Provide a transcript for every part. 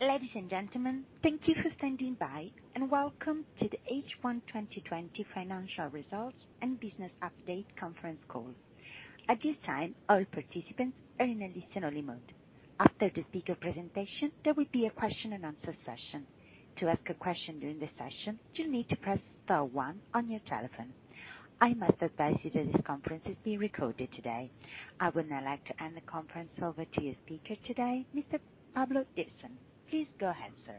Ladies and gentlemen, thank you for standing by. Welcome to the H1 2020 Financial Results and Business Update Conference Call. At this time, all participants are in a listen-only mode. After the speaker presentation, there will be a question and answer session. To ask a question during the session, you'll need to press star one on your telephone. I must advise you that this conference is being recorded today. I would now like to hand the conference over to your speaker today, Mr. Pablo Divasson. Please go ahead, sir.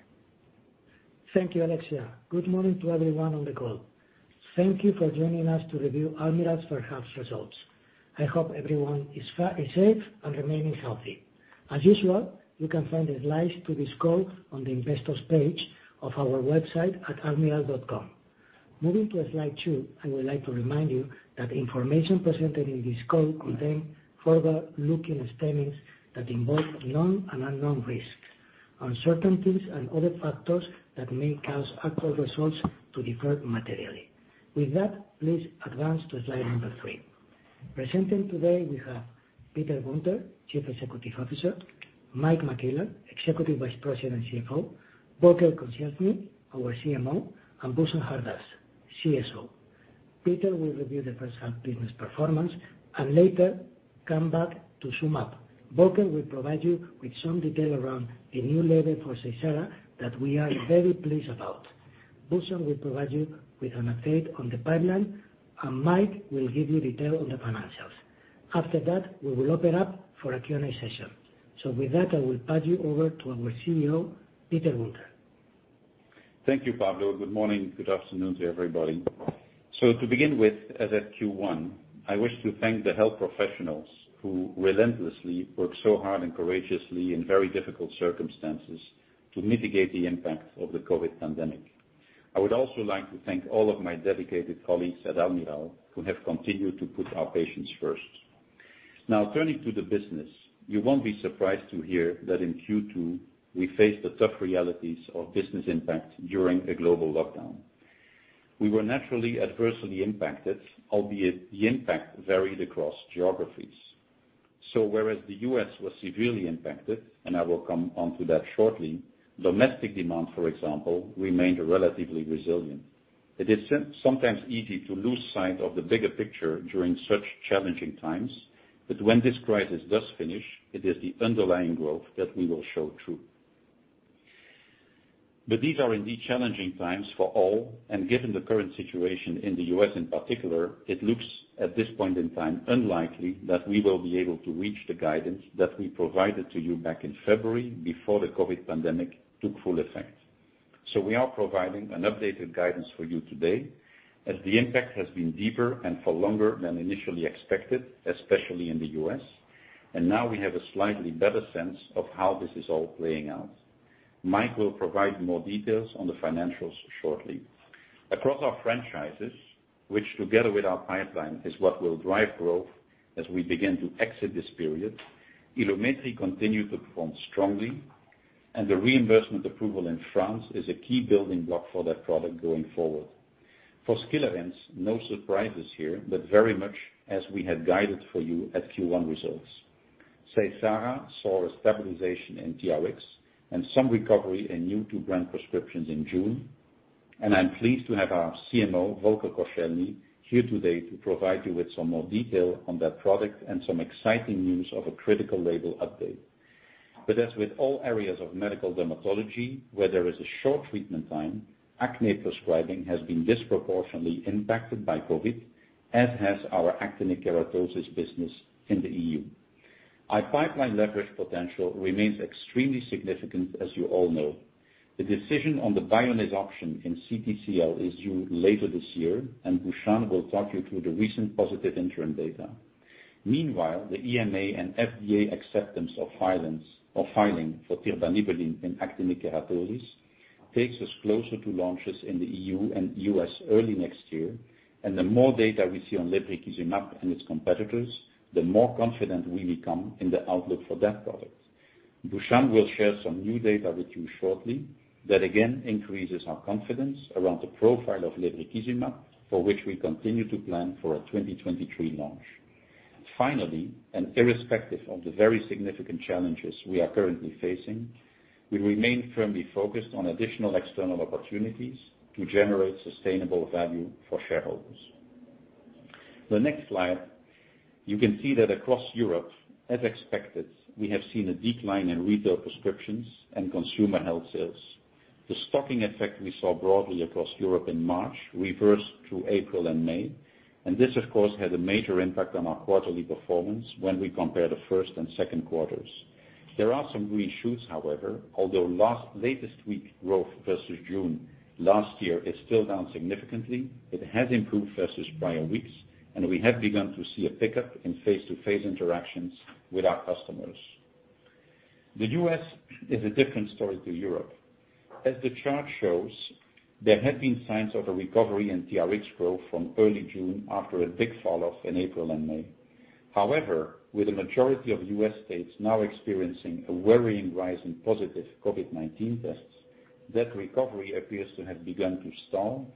Thank you, Alexia. Good morning to everyone on the call. Thank you for joining us to review Almirall's first half results. I hope everyone is safe and remaining healthy. As usual, you can find the slides to this call on the investors page of our website at almirall.com. Moving to slide two, I would like to remind you that the information presented in this call contains forward-looking statements that involve known and unknown risks, uncertainties, and other factors that may cause actual results to differ materially. With that, please advance to slide number three. Presenting today, we have Peter Guenter, Chief Executive Officer, Mike McClellan, Executive Vice President and Chief Financial Officer, Volker Koscielny, our Chief Medical Officer, and Bhushan Hardas, Chief Scientific Officer. Peter will review the first half business performance and later come back to sum up. Volker will provide you with some detail around the new label for Seysara that we are very pleased about. Bhushan will provide you with an update on the pipeline, and Mike will give you detail on the financials. After that, we will open up for a Q&A session. With that, I will pass you over to our Chief Executive Officer, Peter Guenter. Thank you, Pablo. Good morning. Good afternoon to everybody. To begin with, as at Q1, I wish to thank the health professionals who relentlessly work so hard and courageously in very difficult circumstances to mitigate the impact of the COVID pandemic. I would also like to thank all of my dedicated colleagues at Almirall who have continued to put our patients first. Now, turning to the business. You won't be surprised to hear that in Q2, we faced the tough realities of business impact during a global lockdown. We were naturally adversely impacted, albeit the impact varied across geographies. Whereas the U.S. was severely impacted, and I will come onto that shortly, domestic demand, for example, remained relatively resilient. It is sometimes easy to lose sight of the bigger picture during such challenging times, but when this crisis does finish, it is the underlying growth that we will show through. These are indeed challenging times for all, and given the current situation in the U.S. in particular, it looks at this point in time unlikely that we will be able to reach the guidance that we provided to you back in February before the COVID pandemic took full effect. We are providing an updated guidance for you today, as the impact has been deeper and for longer than initially expected, especially in the U.S. Now we have a slightly better sense of how this is all playing out. Mike will provide more details on the financials shortly. Across our franchises, which together with our pipeline, is what will drive growth as we begin to exit this period, Ilumetri continued to perform strongly, and the reimbursement approval in France is a key building block for that product going forward. For Skilarence, no surprises here, very much as we have guided for you at Q1 results. Seysara saw a stabilization in TRx and some recovery in new-to-brand prescriptions in June. I'm pleased to have our Chief Medical Officer, Volker Koscielny, here today to provide you with some more detail on that product and some exciting news of a critical label update. As with all areas of medical dermatology, where there is a short treatment time, acne prescribing has been disproportionately impacted by COVID, as has our actinic keratosis business in the EU. Our pipeline leverage potential remains extremely significant, as you all know. The decision on the buy-in option in CTCL is due later this year, and Bhushan will talk you through the recent positive interim data. Meanwhile, the EMA and FDA acceptance of filing for tirbanibulin in actinic keratosis takes us closer to launches in the EU and U.S. early next year. The more data we see on lebrikizumab and its competitors, the more confident we become in the outlook for that product. Bhushan will share some new data with you shortly that again increases our confidence around the profile of lebrikizumab, for which we continue to plan for a 2023 launch. Finally, and irrespective of the very significant challenges we are currently facing, we remain firmly focused on additional external opportunities to generate sustainable value for shareholders. The next slide, you can see that across Europe, as expected, we have seen a decline in retail prescriptions and consumer health sales. The stocking effect we saw broadly across Europe in March reversed through April and May, and this, of course, had a major impact on our quarterly performance when we compare the first and second quarters. There are some upshots, however. Although latest week growth versus June last year is still down significantly, it has improved versus prior weeks, and we have begun to see a pickup in face-to-face interactions with our customers. The U.S. is a different story to Europe. As the chart shows, there have been signs of a recovery in TRx growth from early June after a big falloff in April and May. However, with the majority of U.S. states now experiencing a worrying rise in positive COVID-19 tests. That recovery appears to have begun to stall.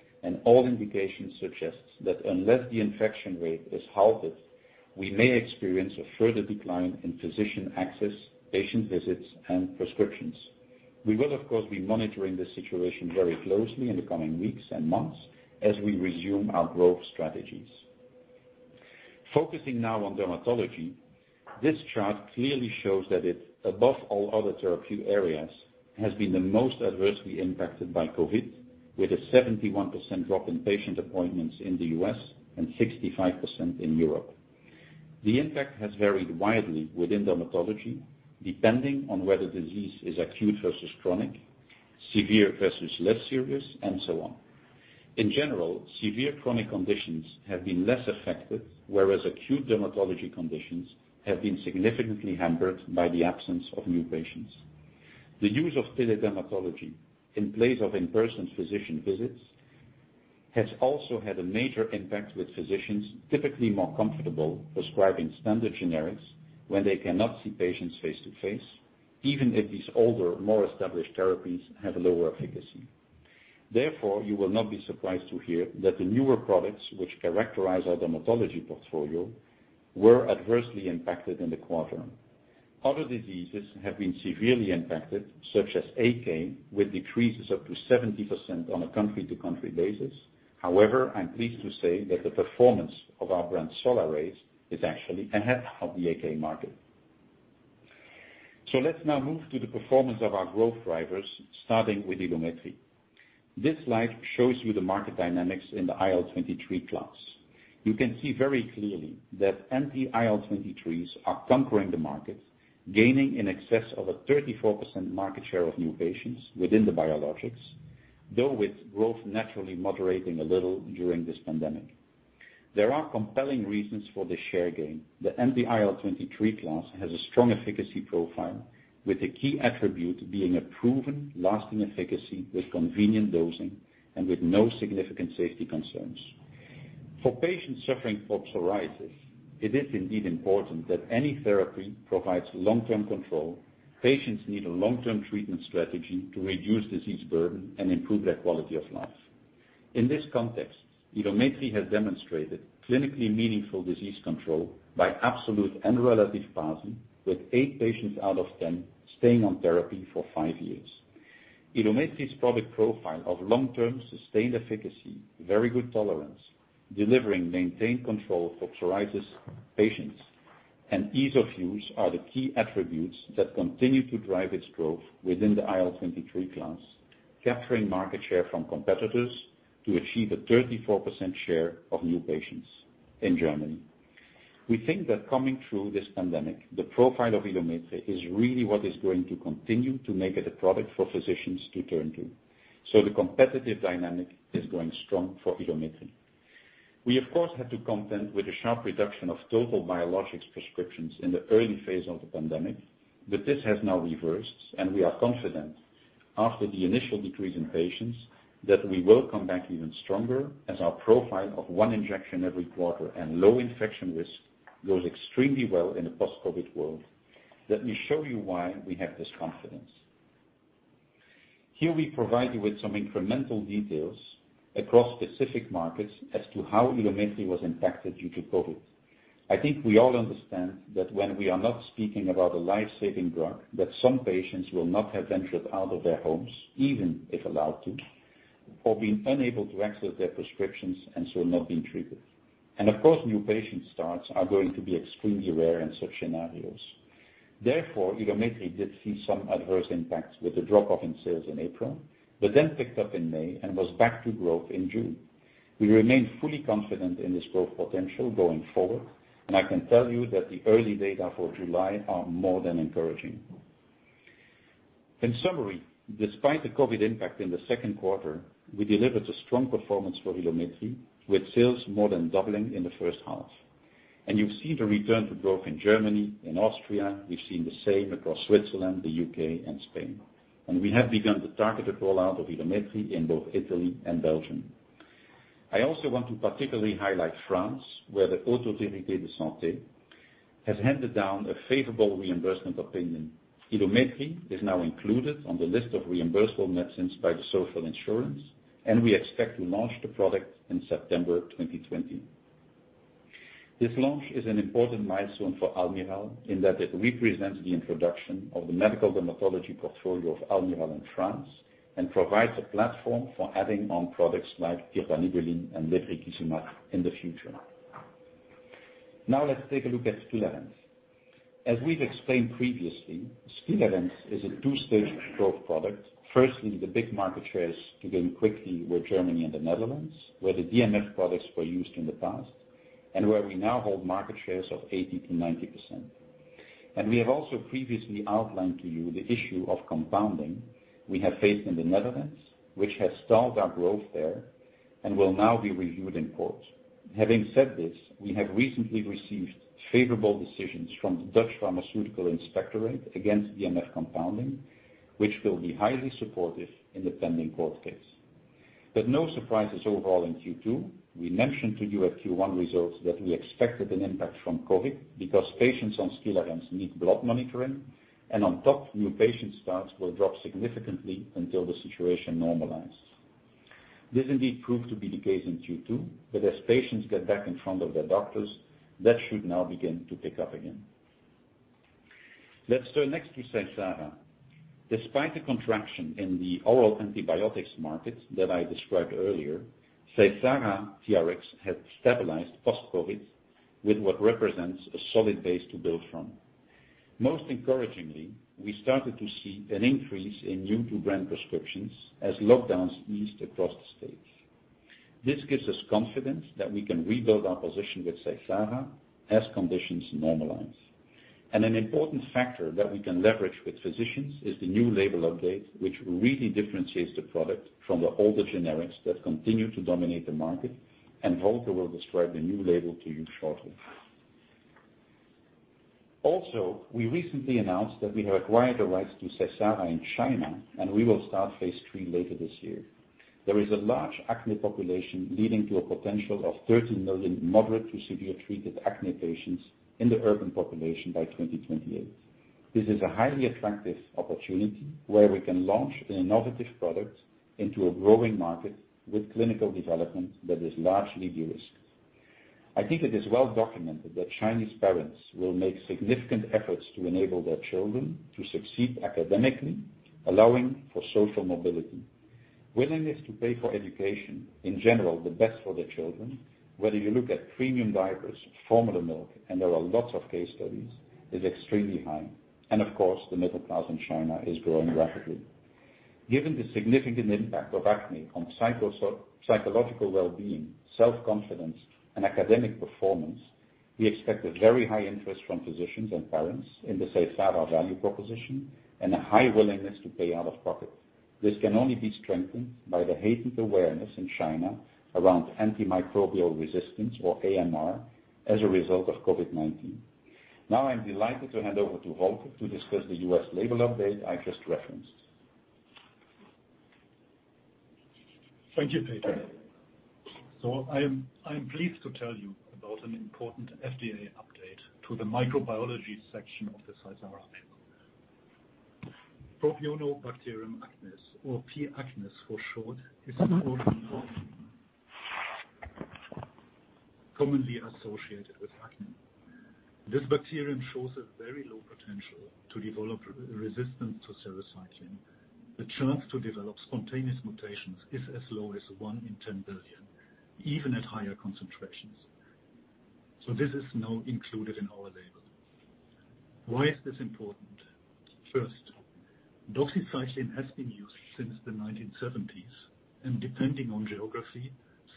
All indications suggest that unless the infection rate is halted, we may experience a further decline in physician access, patient visits, and prescriptions. We will, of course, be monitoring the situation very closely in the coming weeks and months as we resume our growth strategies. Focusing now on dermatology. This chart clearly shows that it, above all other therapy areas, has been the most adversely impacted by COVID, with a 71% drop in patient appointments in the U.S. and 65% in Europe. The impact has varied widely within dermatology, depending on whether disease is acute versus chronic, severe versus less serious, and so on. In general, severe chronic conditions have been less affected, whereas acute dermatology conditions have been significantly hampered by the absence of new patients. The use of tele-dermatology in place of in-person physician visits has also had a major impact, with physicians typically more comfortable prescribing standard generics when they cannot see patients face to face, even if these older, more established therapies have lower efficacy. Therefore, you will not be surprised to hear that the newer products, which characterize our dermatology portfolio, were adversely impacted in the quarter. Other diseases have been severely impacted, such as AK, with decreases of up to 70% on a country-to-country basis. However, I'm pleased to say that the performance of our brand, Solaraze, is actually ahead of the AK market. Let's now move to the performance of our growth drivers, starting with Ilumetri. This slide shows you the market dynamics in the IL-23 class. You can see very clearly that anti-IL-23s are conquering the market, gaining in excess of a 34% market share of new patients within the biologics, though with growth naturally moderating a little during this pandemic. There are compelling reasons for the share gain. The anti-IL-23 class has a strong efficacy profile, with the key attribute being a proven lasting efficacy with convenient dosing and with no significant safety concerns. For patients suffering from psoriasis, it is indeed important that any therapy provides long-term control. Patients need a long-term treatment strategy to reduce disease burden and improve their quality of life. In this context, Ilumetri has demonstrated clinically meaningful disease control by absolute and relative PASI, with eight patients out of 10 staying on therapy for five years. Ilumetri's product profile of long-term sustained efficacy, very good tolerance, delivering maintained control for psoriasis patients, and ease of use are the key attributes that continue to drive its growth within the IL-23 class, capturing market share from competitors to achieve a 34% share of new patients in Germany. We think that coming through this pandemic, the profile of Ilumetri is really what is going to continue to make it a product for physicians to turn to. The competitive dynamic is going strong for Ilumetri. We, of course, had to contend with the sharp reduction of total biologics prescriptions in the early phase of the pandemic, but this has now reversed, and we are confident, after the initial decrease in patients, that we will come back even stronger as our profile of one injection every quarter and low infection risk goes extremely well in a post-COVID world. Let me show you why we have this confidence. Here, we provide you with some incremental details across specific markets as to how Ilumetri was impacted due to COVID. I think we all understand that when we are not speaking about a life-saving drug, that some patients will not have ventured out of their homes, even if allowed to, or been unable to access their prescriptions and so not being treated. Of course, new patient starts are going to be extremely rare in such scenarios. Therefore, Ilumetri did see some adverse impacts with a drop-off in sales in April, but then picked up in May and was back to growth in June. We remain fully confident in this growth potential going forward, and I can tell you that the early data for July are more than encouraging. In summary, despite the COVID impact in the second quarter, we delivered a strong performance for Ilumetri, with sales more than doubling in the first half. You've seen the return to growth in Germany and Austria. We've seen the same across Switzerland, the U.K., and Spain. We have begun the targeted rollout of Ilumetri in both Italy and Belgium. I also want to particularly highlight France, where the Autorité de Santé has handed down a favorable reimbursement opinion. Ilumetri is now included on the list of reimbursable medicines by the social insurance, and we expect to launch the product in September 2020. This launch is an important milestone for Almirall in that it represents the introduction of the medical dermatology portfolio of Almirall in France and provides a platform for adding on products like tirbanibulin and lebrikizumab in the future. Let's take a look at Skilarence. As we've explained previously, Skilarence is a two-stage growth product. The big market shares to gain quickly were Germany and the Netherlands, where the DMF products were used in the past and where we now hold market shares of 80%-90%. We have also previously outlined to you the issue of compounding we have faced in the Netherlands, which has stalled our growth there and will now be reviewed in court. Having said this, we have recently received favorable decisions from the Dutch Pharmaceutical Inspectorate against DMF compounding, which will be highly supportive in the pending court case. No surprises overall in Q2. We mentioned to you at Q1 results that we expected an impact from COVID because patients on Skilarence need blood monitoring, and on top, new patient starts will drop significantly until the situation normalizes. This indeed proved to be the case in Q2. as patients get back in front of their doctors, that should now begin to pick up again. Let's turn next to Seysara. Despite the contraction in the oral antibiotics market that I described earlier, Seysara TRx has stabilized post-COVID with what represents a solid base to build from. Most encouragingly, we started to see an increase in new-to-brand prescriptions as lockdowns eased across the states. This gives us confidence that we can rebuild our position with Seysara as conditions normalize. An important factor that we can leverage with physicians is the new label update, which really differentiates the product from the older generics that continue to dominate the market, Volker will describe the new label to you shortly. We recently announced that we have acquired the rights to Seysara in China, we will start phase III later this year. There is a large acne population leading to a potential of 13 million moderate to severe treated acne patients in the urban population by 2028. This is a highly attractive opportunity where we can launch an innovative product into a growing market with clinical development that is largely de-risked. I think it is well documented that Chinese parents will make significant efforts to enable their children to succeed academically, allowing for social mobility. Willingness to pay for education, in general, the best for their children, whether you look at premium diapers, formula milk, and there are lots of case studies, is extremely high. Of course, the middle class in China is growing rapidly. Given the significant impact of acne on psychological well-being, self-confidence, and academic performance, we expect a very high interest from physicians and parents in the Seysara value proposition and a high willingness to pay out of pocket. This can only be strengthened by the heightened awareness in China around antimicrobial resistance, or AMR, as a result of COVID-19. I'm delighted to hand over to Volker to discuss the U.S. label update I just referenced. Thank you, Peter. I am pleased to tell you about an important FDA update to the microbiology section of the Seysara option. Propionibacterium acnes, or P. acnes for short, is an organism commonly associated with acne. This bacterium shows a very low potential to develop resistance to sarecycline. The chance to develop spontaneous mutations is as low as one in 10 billion, even at higher concentrations. This is now included in our label. Why is this important? First, doxycycline has been used since the 1970s, and depending on geography,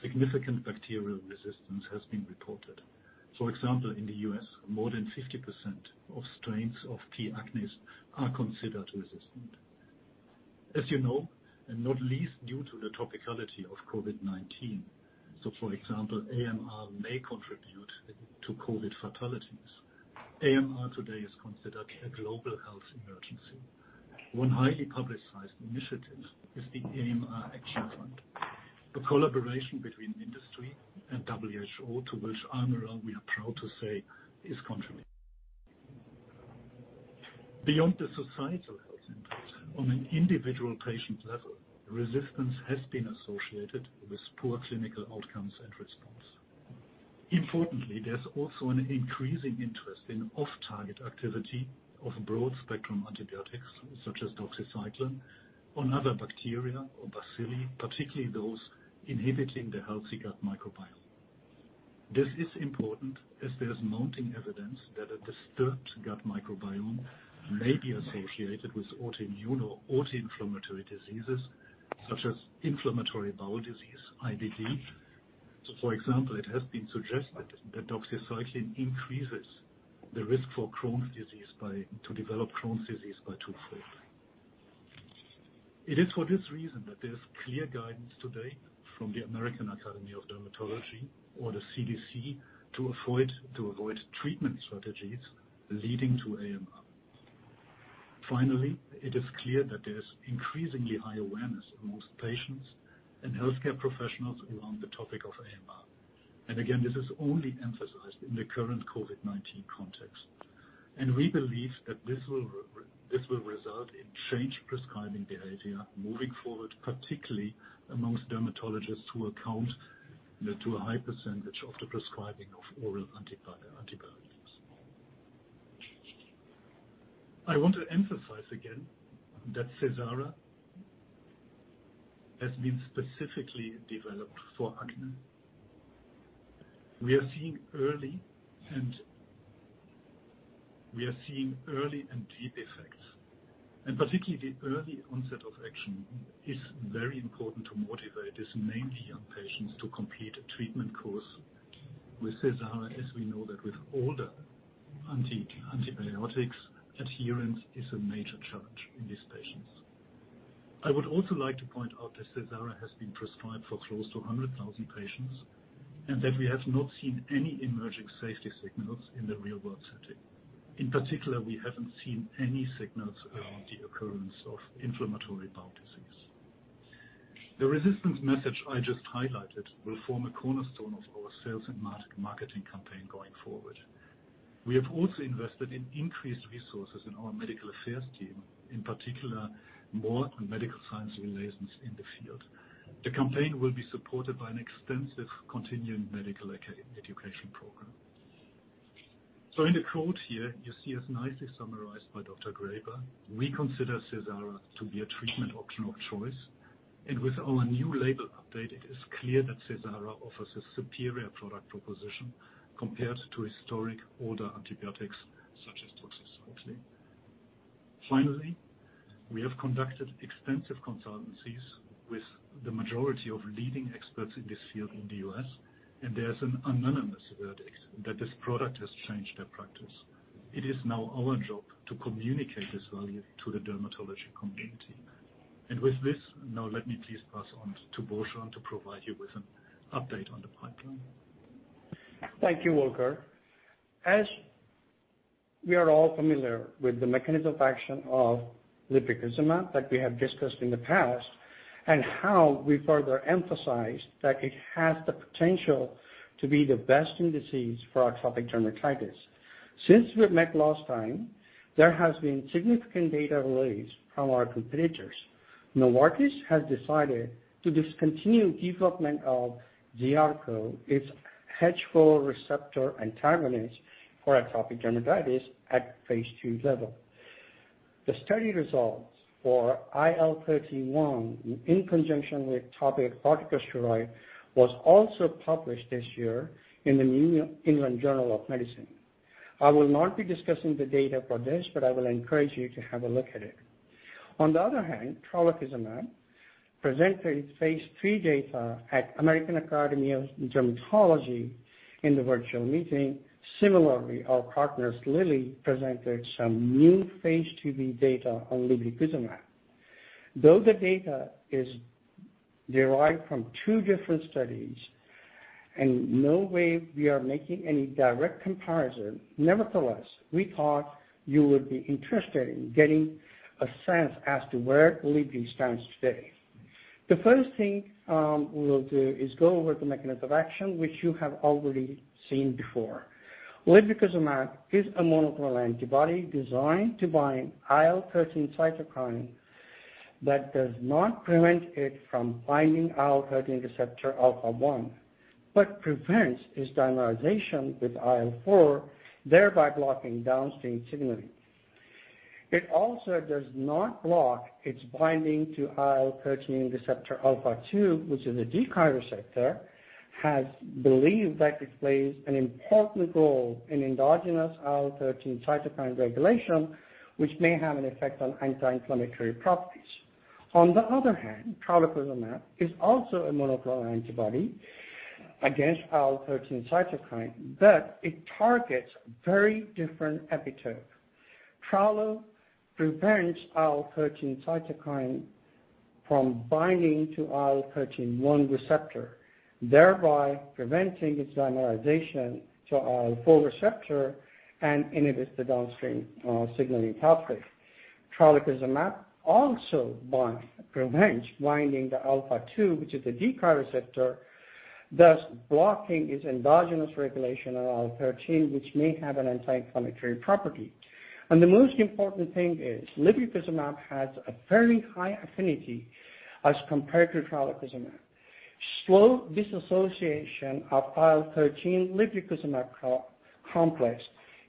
significant bacterial resistance has been reported. For example, in the U.S., more than 50% of strains of P. acnes are considered resistant. As you know, and not least due to the topicality of COVID-19, for example, AMR may contribute to COVID fatalities. AMR today is considered a global health emergency. One highly publicized initiative is the AMR Action Fund, a collaboration between industry and WHO, to which Almirall, we are proud to say, is contributing. Beyond the societal health impact, on an individual patient level, resistance has been associated with poor clinical outcomes and response. Importantly, there's also an increasing interest in off-target activity of broad-spectrum antibiotics, such as doxycycline, on other bacteria or bacilli, particularly those inhibiting the healthy gut microbiome. This is important as there's mounting evidence that a disturbed gut microbiome may be associated with autoimmune or autoinflammatory diseases, such as inflammatory bowel disease, IBD. For example, it has been suggested that doxycycline increases the risk to develop Crohn's disease by two-fold. It is for this reason that there's clear guidance today from the American Academy of Dermatology or the CDC to avoid treatment strategies leading to AMR. Finally, it is clear that there's increasingly high awareness amongst patients and healthcare professionals around the topic of AMR. Again, this is only emphasized in the current COVID-19 context. We believe that this will result in changed prescribing behavior moving forward, particularly amongst dermatologists who account to a high % of the prescribing of oral antibiotics. I want to emphasize again that SeySara has been specifically developed for acne. We are seeing early and deep effects. Particularly the early onset of action is very important to motivate these mainly young patients to complete a treatment course with SeySara, as we know that with older antibiotics, adherence is a major challenge in these patients. I would also like to point out that SeySara has been prescribed for close to 100,000 patients and that we have not seen any emerging safety signals in the real-world setting. In particular, we haven't seen any signals around the occurrence of inflammatory bowel disease. The resistance message I just highlighted will form a cornerstone of our sales and marketing campaign going forward. We have also invested in increased resources in our medical affairs team, in particular, more medical science liaisons in the field. The campaign will be supported by an extensive continuing medical education program. In the quote here, you see it's nicely summarized by Dr. Graber. We consider Seysara to be a treatment option of choice, and with our new label update, it is clear that Seysara offers a superior product proposition compared to historic older antibiotics such as doxycycline. Finally, we have conducted extensive consultancies with the majority of leading experts in this field in the U.S., and there's an unanimous verdict that this product has changed their practice. It is now our job to communicate this value to the dermatology community. With this, now let me please pass on to Bhushan to provide you with an update on the pipeline. Thank you, Volker. As we are all familiar with the mechanism of action of lebrikizumab, like we have discussed in the past, and how we further emphasized that it has the potential to be the best in disease for atopic dermatitis. Since we've met last time, there has been significant data release from our competitors. Novartis has decided to discontinue development of GIARCO, its Hedgehog Asset receptor antagonist for atopic dermatitis, at phase II level. The study results for IL-31 in conjunction with topical corticosteroid, was also published this year in the New England Journal of Medicine. I will not be discussing the data for this, but I will encourage you to have a look at it. On the other hand, tralokinumab presented its phase III data at American Academy of Dermatology in the virtual meeting. Similarly, our partners, Lilly, presented some new phase II-B data on lebrikizumab. Though the data is derived from two different studies, and no way we are making any direct comparison, nevertheless, we thought you would be interested in getting a sense as to where Lebri stands today. The first thing we will do is go over the mechanism of action, which you have already seen before. lebrikizumab is a monoclonal antibody designed to bind IL-13 cytokine that does not prevent it from binding IL-13 receptor alpha one, but prevents its dimerization with IL-4, thereby blocking downstream signaling. It also does not block its binding to IL-13 receptor alpha two, which is a decoy receptor, has believed that it plays an important role in endogenous IL-13 cytokine regulation, which may have an effect on anti-inflammatory properties. On the other hand, tralokinumab is also a monoclonal antibody against IL-13 cytokine, but it targets very different epitope. Tralo prevents IL-13 cytokine from binding to IL-13 one receptor, thereby preventing its dimerization to IL-4 receptor and inhibits the downstream signaling pathway. Tralokinumab also prevents binding to alpha two, which is a decoy receptor, thus blocking its endogenous regulation of IL-13, which may have an anti-inflammatory property. The most important thing is lebrikizumab has a very high affinity as compared to tralokinumab. Slow disassociation of IL-13 lebrikizumab complex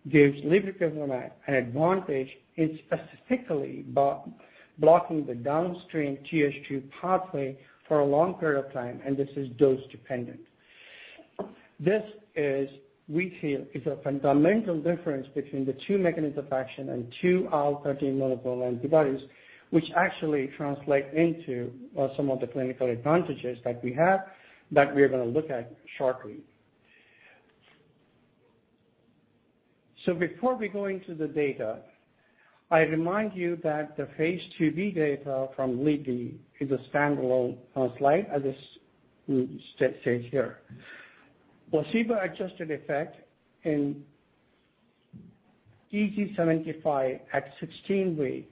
gives lebrikizumab an advantage in specifically blocking the downstream GSG pathway for a long period of time, and this is dose-dependent. This is, we feel, is a fundamental difference between the two mechanisms of action and two IL-13 monoclonal antibodies, which actually translate into some of the clinical advantages that we have, that we're going to look at shortly. Before we go into the data, I remind you that the phase II-B data from Lebri is a standalone slide, as it says here. Placebo-adjusted effect in EASI 75 at 16 week,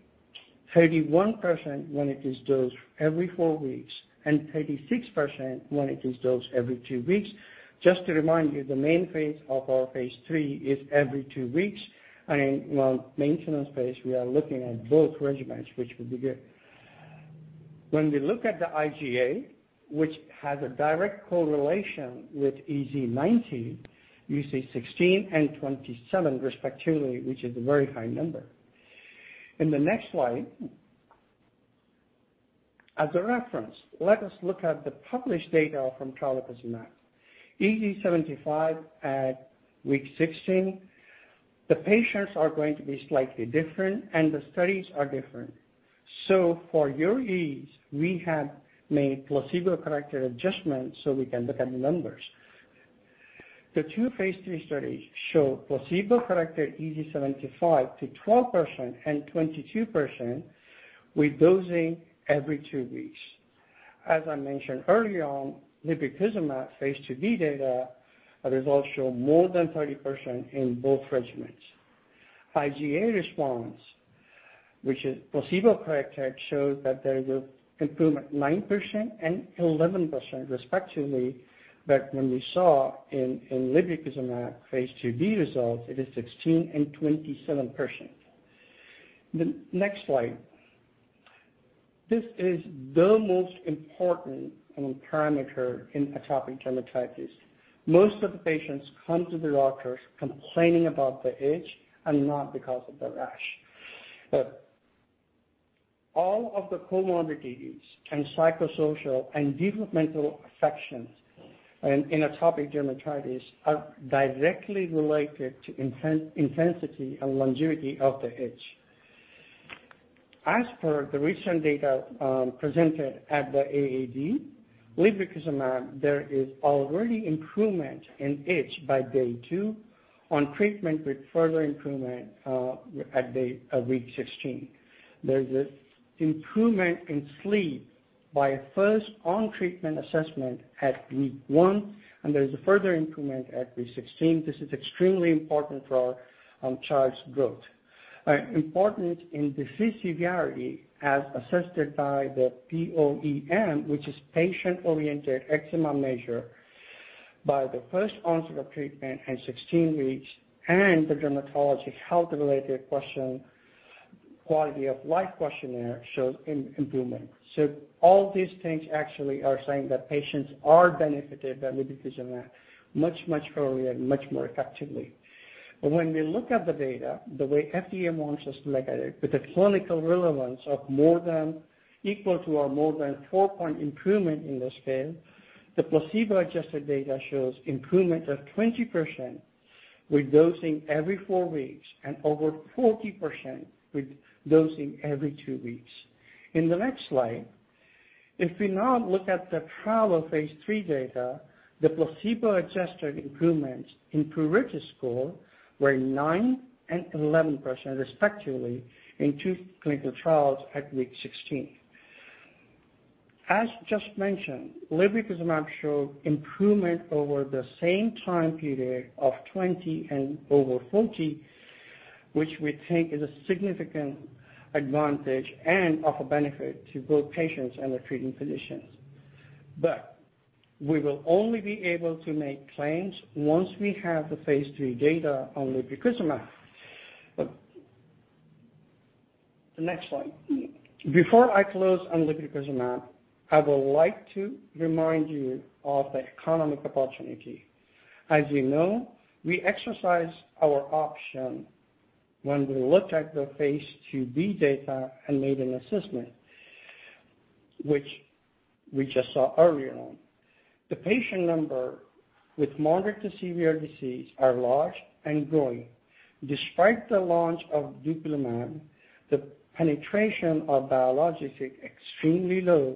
31% when it is dosed every four weeks, and 36% when it is dosed every two weeks. Just to remind you, the main phase of our phase III is every two weeks. In maintenance phase, we are looking at both regimens, which will be good. When we look at the IGA, which has a direct correlation with EASI 90, you see 16 and 27 respectively, which is a very high number. In the next slide, as a reference, let us look at the published data from tralokinumab. EASI 75 at week 16. The patients are going to be slightly different and the studies are different. For your ease, we have made placebo-corrected adjustments so we can look at the numbers. The two phase III studies show placebo-corrected EASI 75 to 12% and 22% with dosing every two weeks. As I mentioned early on, lebrikizumab Phase II-B data results show more than 30% in both regimens. IGA response, which is placebo-corrected, shows that there is improvement 9% and 11%, respectively, when we saw in lebrikizumab phase II-B results, it is 16 and 27%. The next slide. This is the most important parameter in atopic dermatitis. Most of the patients come to the doctors complaining about the itch and not because of the rash. All of the comorbidities and psychosocial and developmental affections in atopic dermatitis are directly related to intensity and longevity of the itch. As per the recent data presented at the AAD, lebrikizumab, there is already improvement in itch by day two on treatment with further improvement at week 16. There's improvement in sleep by first on-treatment assessment at week one, and there's a further improvement at week 16. This is extremely important for our child's growth. Important in the severity as assessed by the POEM, which is Patient-Oriented Eczema Measure, by the first onset of treatment at 16 weeks, and the dermatology health-related question, quality of life questionnaire shows improvement. All these things actually are saying that patients are benefited by lebrikizumab much earlier and much more effectively. When we look at the data, the way FDA wants us to look at it, with the clinical relevance of equal to or more than 4-point improvement in the scale, the placebo-adjusted data shows improvement of 20% with dosing every four weeks and over 40% with dosing every two weeks. In the next slide, if we now look at the trial of phase III data, the placebo-adjusted improvements in pruritus score were 9% and 11%, respectively, in two clinical trials at week 16. As just mentioned, lebrikizumab showed improvement over the same time period of 20% and over 40%, which we think is a significant advantage and offer benefit to both patients and the treating physicians. We will only be able to make claims once we have the phase III data on lebrikizumab. The next slide. Before I close on lebrikizumab, I would like to remind you of the economic opportunity. As you know, we exercise our option when we looked at the phase II-B data and made an assessment, which we just saw earlier on. The patient number with moderate to severe disease are large and growing. Despite the launch of dupilumab, the penetration of biologic is extremely low.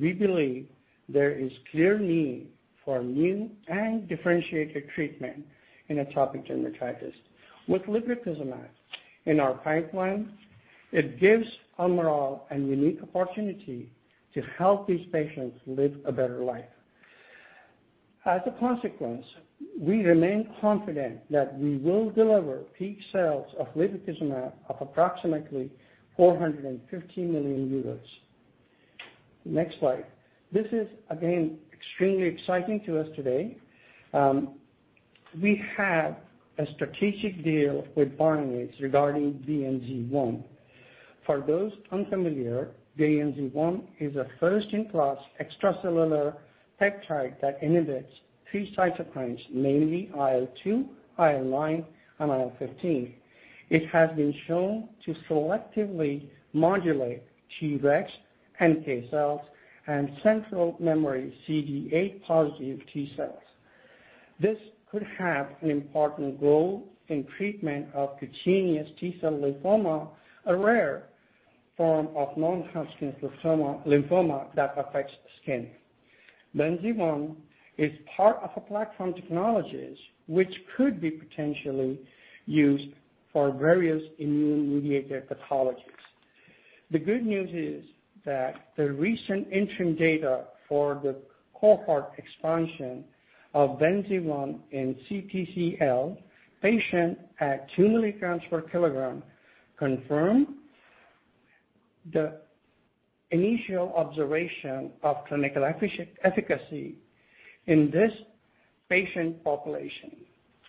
We believe there is clear need for new and differentiated treatment in atopic dermatitis. With lebrikizumab in our pipeline, it gives Almirall a unique opportunity to help these patients live a better life. We remain confident that we will deliver peak sales of lebrikizumab of approximately 450 million euros. Next slide. This is, again, extremely exciting to us today. We have a strategic deal with Bioniz regarding BNZ-1. For those unfamiliar, BNZ-1 is a first-in-class extracellular peptide that inhibits three cytokines, namely IL-2, IL-9, and IL-15. It has been shown to selectively modulate Treg, NK cells, and central memory CD8 positive T cells. This could have an important role in treatment of cutaneous T-cell lymphoma, a rare form of non-Hodgkin's lymphoma that affects the skin. BNZ-1 is part of a platform technologies, which could be potentially used for various immune-mediated pathologies. The good news is that the recent interim data for the cohort expansion of BNZ-1 in CTCL patient at two milligrams per kilogram confirm the initial observation of clinical efficacy in this patient population.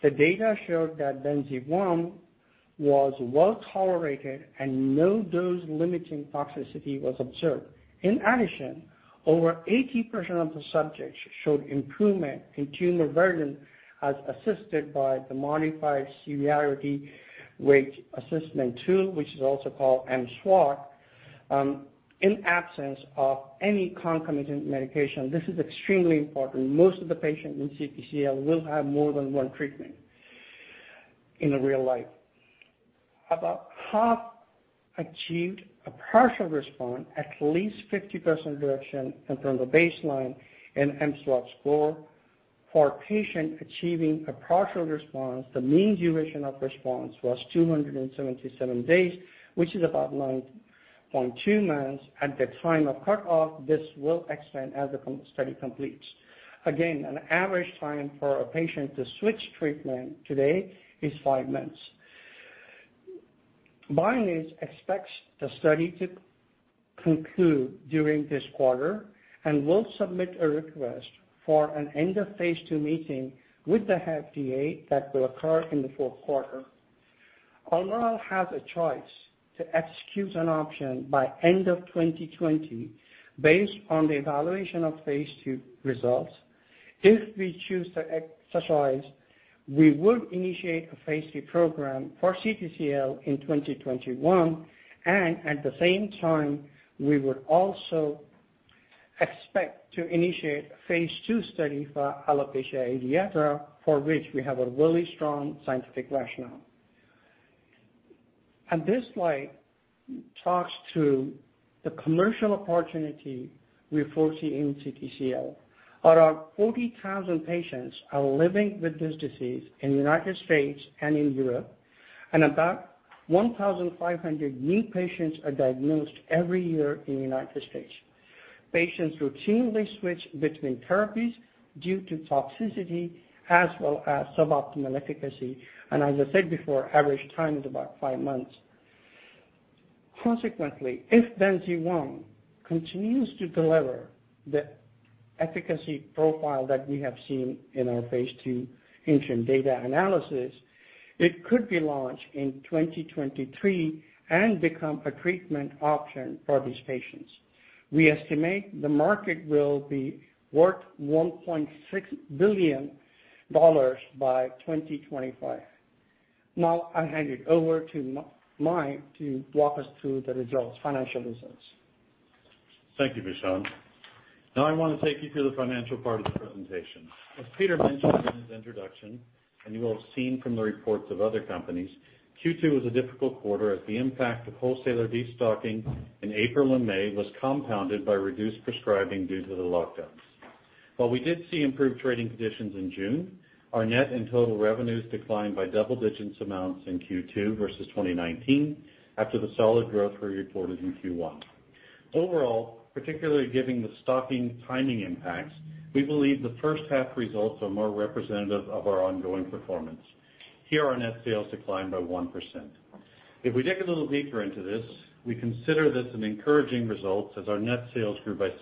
The data showed that BNZ-1 was well-tolerated, and no dose-limiting toxicity was observed. In addition, over 80% of the subjects showed improvement in tumor burden as assessed by the Modified Severity Weighted Assessment Tool, which is also called mSWAT, in absence of any concomitant medication. This is extremely important. Most of the patients in CTCL will have more than one treatment. In the real life. About half achieved a partial response, at least 50% reduction from the baseline in mSWAT score. For a patient achieving a partial response, the mean duration of response was 277 days, which is about 9.2 months at the time of cutoff. This will extend as the study completes. An average time for a patient to switch treatment today is five months. Bioniz expects the study to conclude during this quarter and will submit a request for an end of phase II meeting with the FDA that will occur in the fourth quarter. Almirall has a choice to execute an option by end of 2020, based on the evaluation of phase II results. If we choose to exercise, we would initiate a phase III program for CTCL in 2021, and at the same time, we would also expect to initiate a phase II study for alopecia areata, for which we have a really strong scientific rationale. This slide talks to the commercial opportunity we foresee in CTCL. Around 40,000 patients are living with this disease in the U.S. and in Europe, and about 1,500 new patients are diagnosed every year in the U.S. Patients routinely switch between therapies due to toxicity as well as suboptimal efficacy. As I said before, average time is about five months. Consequently, if BNZ-1 continues to deliver the efficacy profile that we have seen in our phase II interim data analysis, it could be launched in 2023 and become a treatment option for these patients. We estimate the market will be worth EUR 1.6 billion by 2025. I'll hand it over to Mike to walk us through the results, financial results. Thank you, Bhushan. I want to take you through the financial part of the presentation. As Peter mentioned in his introduction, you will have seen from the reports of other companies, Q2 was a difficult quarter as the impact of wholesaler destocking in April and May was compounded by reduced prescribing due to the lockdowns. While we did see improved trading conditions in June, our net and total revenues declined by double-digit amounts in Q2 versus 2019 after the solid growth we reported in Q1. Particularly given the stocking timing impacts, we believe the first half results are more representative of our ongoing performance. Here, our net sales declined by 1%. If we dig a little deeper into this, we consider this an encouraging result as our net sales grew by 6%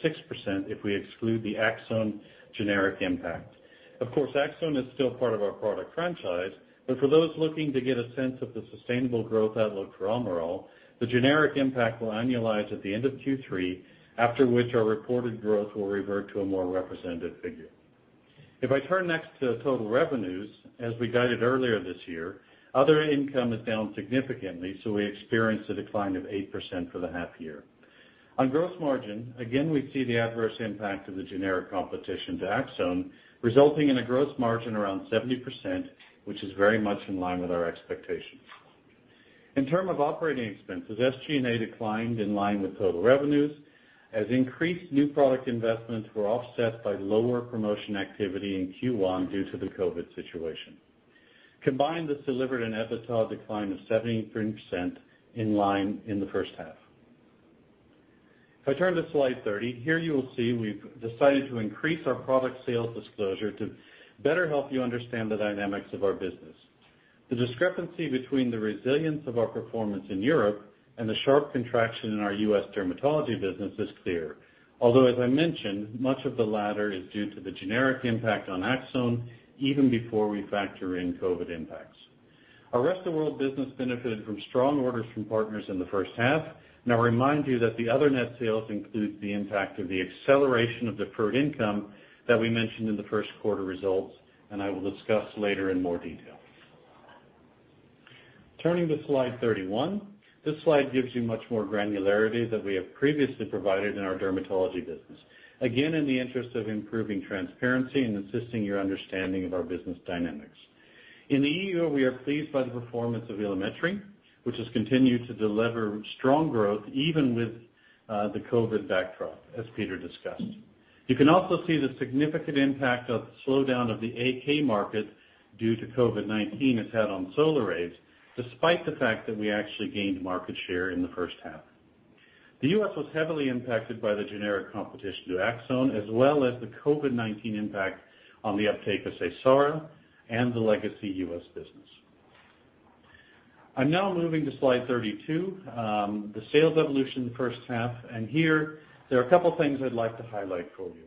if we exclude the Aczone generic impact. Of course, Aczone is still part of our product franchise, but for those looking to get a sense of the sustainable growth outlook for Almirall, the generic impact will annualize at the end of Q3, after which our reported growth will revert to a more representative figure. If I turn next to total revenues, as we guided earlier this year, other income is down significantly, we experienced a decline of 8% for the half year. On gross margin, again, we see the adverse impact of the generic competition to Aczone, resulting in a gross margin around 70%, which is very much in line with our expectations. In terms of operating expenses, SG&A declined in line with total revenues as increased new product investments were offset by lower promotion activity in Q1 due to the COVID situation. Combined, this delivered an EBITDA decline of 17% in line in the first half. If I turn to slide 30, here you will see we've decided to increase our product sales disclosure to better help you understand the dynamics of our business. The discrepancy between the resilience of our performance in Europe and the sharp contraction in our U.S. dermatology business is clear. Although, as I mentioned, much of the latter is due to the generic impact on Aczone even before we factor in COVID impacts. Our rest of world business benefited from strong orders from partners in the first half. I'll remind you that the other net sales include the impact of the acceleration of deferred income that we mentioned in the first quarter results, and I will discuss later in more detail. Turning to slide 31. This slide gives you much more granularity than we have previously provided in our dermatology business. Again, in the interest of improving transparency and assisting your understanding of our business dynamics. In the EU, we are pleased by the performance of Ilumetri, which has continued to deliver strong growth even with the COVID backdrop, as Peter discussed. You can also see the significant impact of the slowdown of the AK market due to COVID-19 has had on Solaraze, despite the fact that we actually gained market share in the first half. The U.S. was heavily impacted by the generic competition to Aczone, as well as the COVID-19 impact on the uptake of Seysara and the legacy U.S. business. I'm now moving to slide 32. The sales evolution in the first half. Here there are a couple of things I'd like to highlight for you.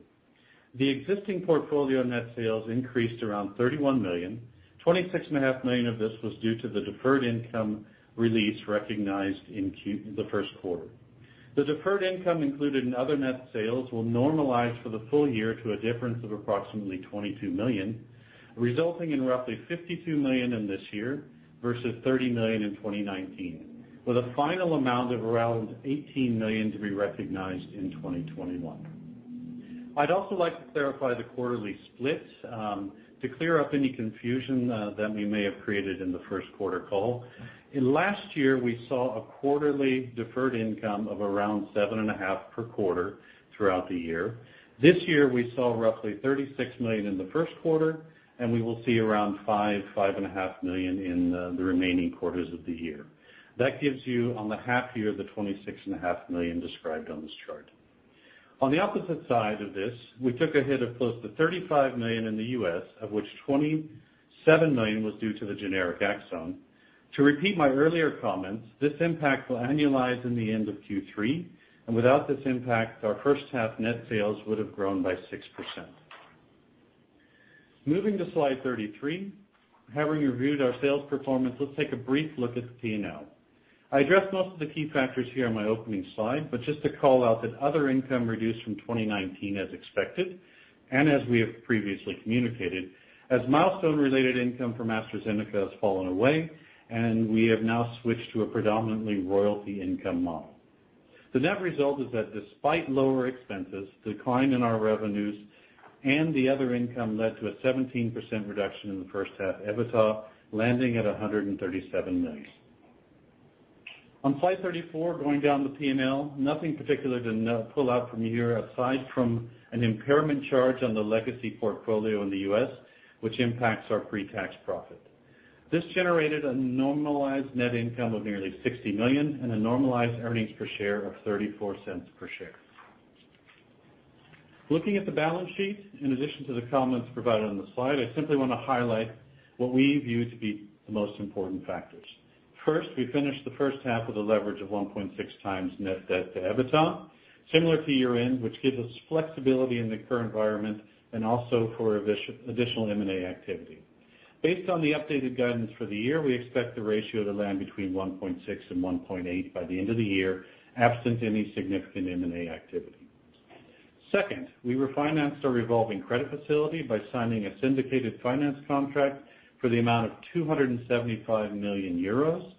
The existing portfolio net sales increased around 31 million. 26.5 million of this was due to the deferred income release recognized in the first quarter. The deferred income included in other net sales will normalize for the full year to a difference of approximately 22 million, resulting in roughly 52 million in this year versus 30 million in 2019, with a final amount of around 18 million to be recognized in 2021. I'd also like to clarify the quarterly split to clear up any confusion that we may have created in the first quarter call. In last year, we saw a quarterly deferred income of around 7.5 million per quarter throughout the year. This year, we saw roughly 36 million in the first quarter, and we will see around 5.5 million in the remaining quarters of the year. That gives you on the half year, the 26.5 million described on this chart. On the opposite side of this, we took a hit of close to 35 million in the U.S., of which 27 million was due to the generic Aczone. To repeat my earlier comments, this impact will annualize in the end of Q3, and without this impact, our first half net sales would have grown by 6%. Moving to slide 33, having reviewed our sales performance, let's take a brief look at the P&L. I addressed most of the key factors here on my opening slide, just to call out that other income reduced from 2019 as expected, and as we have previously communicated, as milestone-related income from AstraZeneca has fallen away, and we have now switched to a predominantly royalty income model. The net result is that despite lower expenses, decline in our revenues, and the other income led to a 17% reduction in the first half EBITDA, landing at 137 million. On slide 34, going down the P&L, nothing particular to pull out from here aside from an impairment charge on the legacy portfolio in the U.S., which impacts our pre-tax profit. This generated a normalized net income of nearly 60 million and a normalized earnings per share of 0.34 per share. Looking at the balance sheet, in addition to the comments provided on the slide, I simply want to highlight what we view to be the most important factors. First, we finished the first half with a leverage of 1.6x net debt to EBITDA, similar to year-end, which gives us flexibility in the current environment and also for additional M&A activity. Based on the updated guidance for the year, we expect the ratio to land between 1.6x-1.8x by the end of the year, absent any significant M&A activity. Second, we refinanced our revolving credit facility by signing a syndicated finance contract for the amount of 275 million euros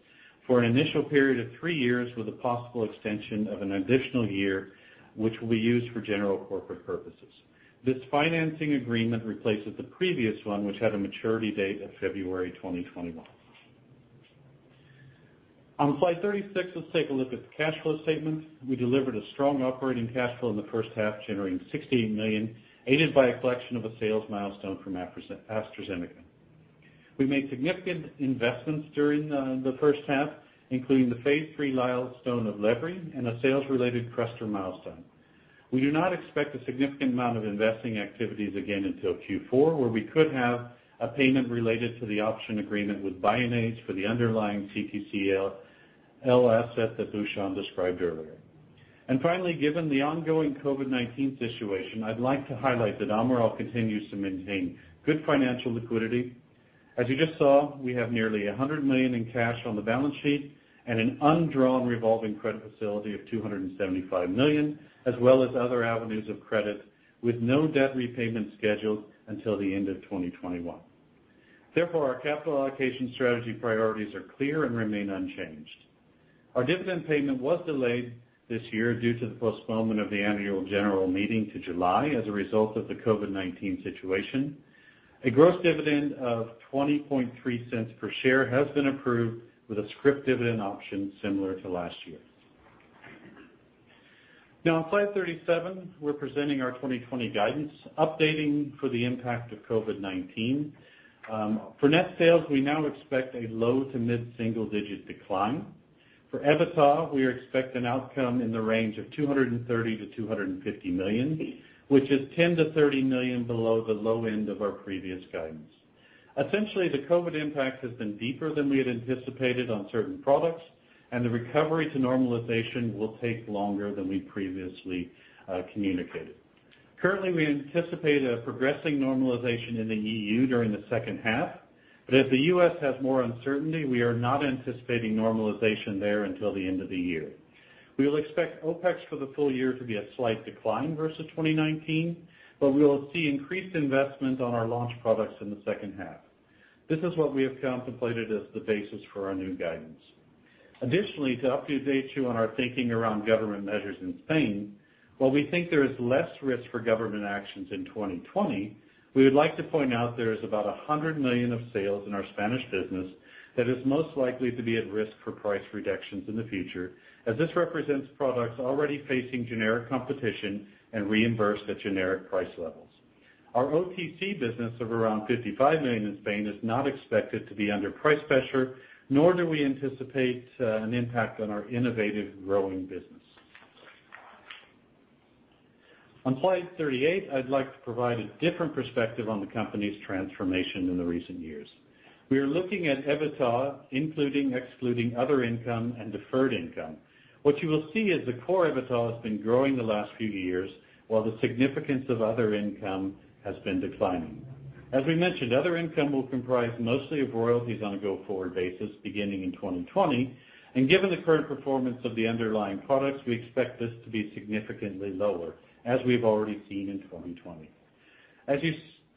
for an initial period of three years with a possible extension of an additional year, which will be used for general corporate purposes. This financing agreement replaces the previous one, which had a maturity date of February 2021. On slide 36, let's take a look at the cash flow statement. We delivered a strong operating cash flow in the first half, generating 16 million, aided by a collection of a sales milestone from AstraZeneca. We made significant investments during the first half, including the phase III milestone of Lebri and a sales-related Crester milestone. We do not expect a significant amount of investing activities again until Q4, where we could have a payment related to the option agreement with Bioniz for the underlying CTCL asset that Bhushan described earlier. Finally, given the ongoing COVID-19 situation, I'd like to highlight that Almirall continues to maintain good financial liquidity. As you just saw, we have nearly 100 million in cash on the balance sheet and an undrawn revolving credit facility of 275 million, as well as other avenues of credit with no debt repayment scheduled until the end of 2021. Therefore, our capital allocation strategy priorities are clear and remain unchanged. Our dividend payment was delayed this year due to the postponement of the annual general meeting to July as a result of the COVID-19 situation. A gross dividend of 0.203 per share has been approved with a script dividend option similar to last year. On slide 37, we're presenting our 2020 guidance, updating for the impact of COVID-19. For net sales, we now expect a low to mid-single digit decline. For EBITDA, we expect an outcome in the range of 230 million-250 million, which is 10 million-30 million below the low end of our previous guidance. The COVID impact has been deeper than we had anticipated on certain products, the recovery to normalization will take longer than we previously communicated. We anticipate a progressing normalization in the EU during the second half, as the U.S. has more uncertainty, we are not anticipating normalization there until the end of the year. We will expect OPEX for the full year to be a slight decline versus 2019, but we will see increased investment on our launch products in the second half. This is what we have contemplated as the basis for our new guidance. Additionally, to update you on our thinking around government measures in Spain, while we think there is less risk for government actions in 2020, we would like to point out there is about 100 million of sales in our Spanish business that is most likely to be at risk for price reductions in the future, as this represents products already facing generic competition and reimbursed at generic price levels. Our OTC business of around 55 million in Spain is not expected to be under price pressure, nor do we anticipate an impact on our innovative growing business. On slide 38, I'd like to provide a different perspective on the company's transformation in the recent years. We are looking at EBITDA, including excluding other income and deferred income. What you will see is the core EBITDA has been growing the last few years, while the significance of other income has been declining. As we mentioned, other income will comprise mostly of royalties on a go-forward basis beginning in 2020, and given the current performance of the underlying products, we expect this to be significantly lower as we've already seen in 2020. You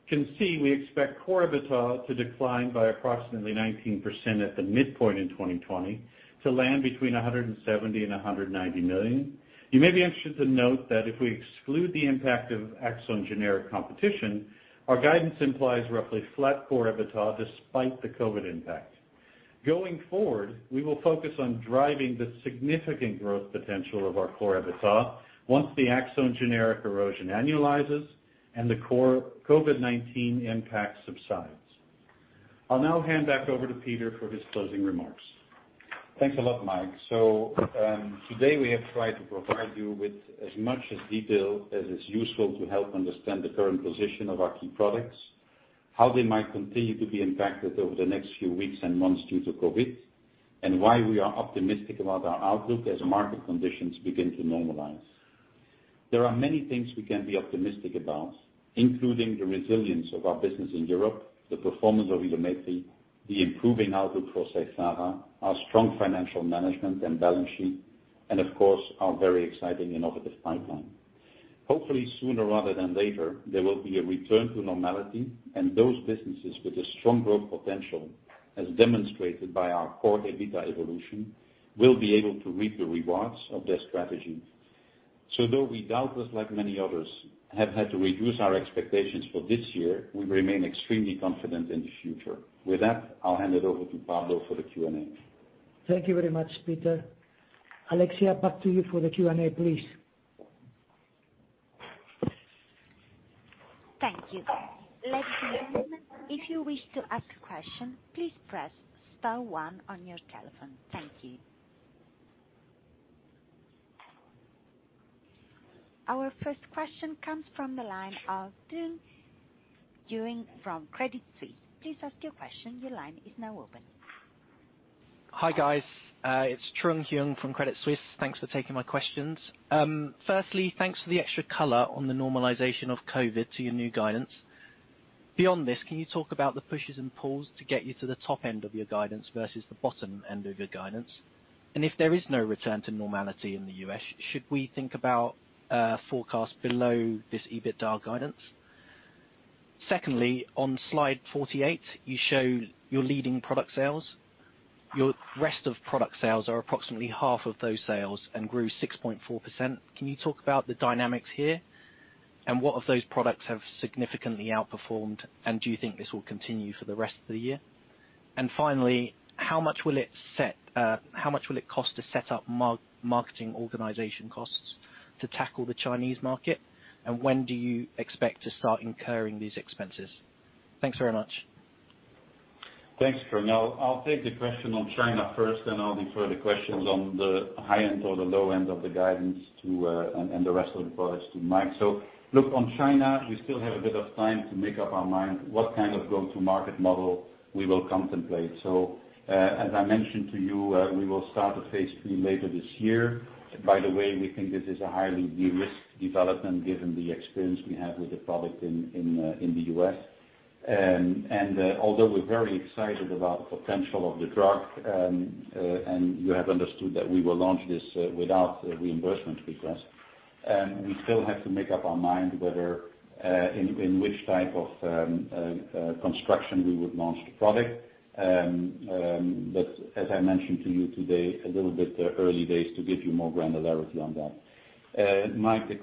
can see, we expect core EBITDA to decline by approximately 19% at the midpoint in 2020 to land between 170 million-190 million. You may be interested to note that if we exclude the impact of Aczone generic competition, our guidance implies roughly flat core EBITDA despite the COVID impact. Going forward, we will focus on driving the significant growth potential of our core EBITDA once the Aczone generic erosion annualizes and the COVID-19 impact subsides. I'll now hand back over to Peter for his closing remarks. Thanks a lot, Mike. Today we have tried to provide you with as much detail as is useful to help understand the current position of our key products, how they might continue to be impacted over the next few weeks and months due to COVID, and why we are optimistic about our outlook as market conditions begin to normalize. There are many things we can be optimistic about, including the resilience of our business in Europe, the performance of Ilumetri, the improving outlook for Seysara, our strong financial management and balance sheet, and of course, our very exciting innovative pipeline. Hopefully sooner rather than later, there will be a return to normality and those businesses with a strong growth potential, as demonstrated by our core EBITDA evolution, will be able to reap the rewards of their strategy. Though we doubtless, like many others, have had to reduce our expectations for this year, we remain extremely confident in the future. With that, I'll hand it over to Pablo for the Q&A. Thank you very much, Peter. Alexia, back to you for the Q&A, please. Thank you. Ladies and gentlemen, if you wish to ask a question, please press star one on your telephone. Thank you. Our first question comes from the line of Trung Huynh from Credit Suisse. Please ask your question. Your line is now open. Hi, guys. It's Trung Huynh from Credit Suisse. Thanks for taking my questions. Firstly, thanks for the extra color on the normalization of COVID to your new guidance. Beyond this, can you talk about the pushes and pulls to get you to the top end of your guidance versus the bottom end of your guidance? If there is no return to normality in the U.S., should we think about a forecast below this EBITDA guidance? Secondly, on slide 48, you show your leading product sales. Your rest of product sales are approximately half of those sales and grew 6.4%. Can you talk about the dynamics here? What of those products have significantly outperformed, and do you think this will continue for the rest of the year? Finally, how much will it cost to set up marketing organization costs to tackle the Chinese market, and when do you expect to start incurring these expenses? Thanks very much. Thanks, Trung. I'll take the question on China first, then I'll defer the questions on the high end or the low end of the guidance and the rest of the products to Mike. Look, on China, we still have a bit of time to make up our mind what kind of go-to market model we will contemplate. As I mentioned to you, we will start the phase III later this year. By the way, we think this is a highly de-risked development given the experience we have with the product in the U.S. Although we're very excited about the potential of the drug, and you have understood that we will launch this without reimbursement because we still have to make up our mind whether in which type of construction we would launch the product. As I mentioned to you today, a little bit early days to give you more granularity on that. Mike, the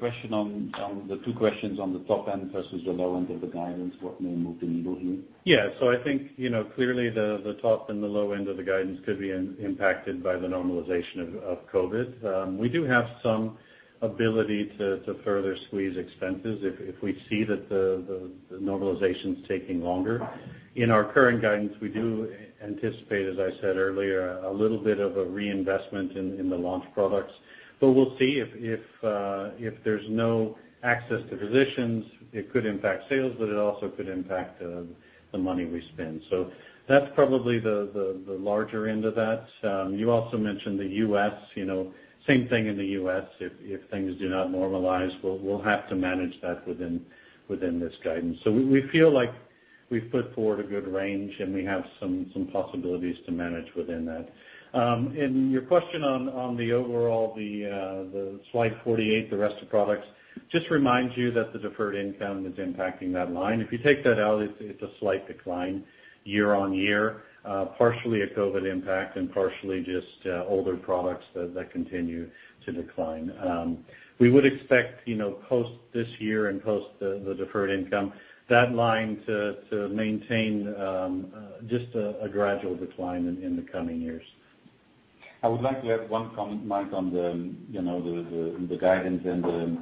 two questions on the top end versus the low end of the guidance, what may move the needle here? I think clearly the top and the low end of the guidance could be impacted by the normalization of COVID. We do have some ability to further squeeze expenses if we see that the normalization's taking longer. In our current guidance, we do anticipate, as I said earlier, a little bit of a reinvestment in the launch products. We'll see if there's no access to physicians, it could impact sales, but it also could impact the money we spend. That's probably the larger end of that. You also mentioned the U.S. Same thing in the U.S. If things do not normalize, we'll have to manage that within this guidance. We feel like we've put forward a good range, and we have some possibilities to manage within that. Your question on the overall, the slide 48, the rest of products, just remind you that the deferred income is impacting that line. If you take that out, it's a slight decline year-over-year, partially a COVID impact and partially just older products that continue to decline. We would expect post this year and post the deferred income, that line to maintain just a gradual decline in the coming years. I would like to add one comment, Mike, on the guidance and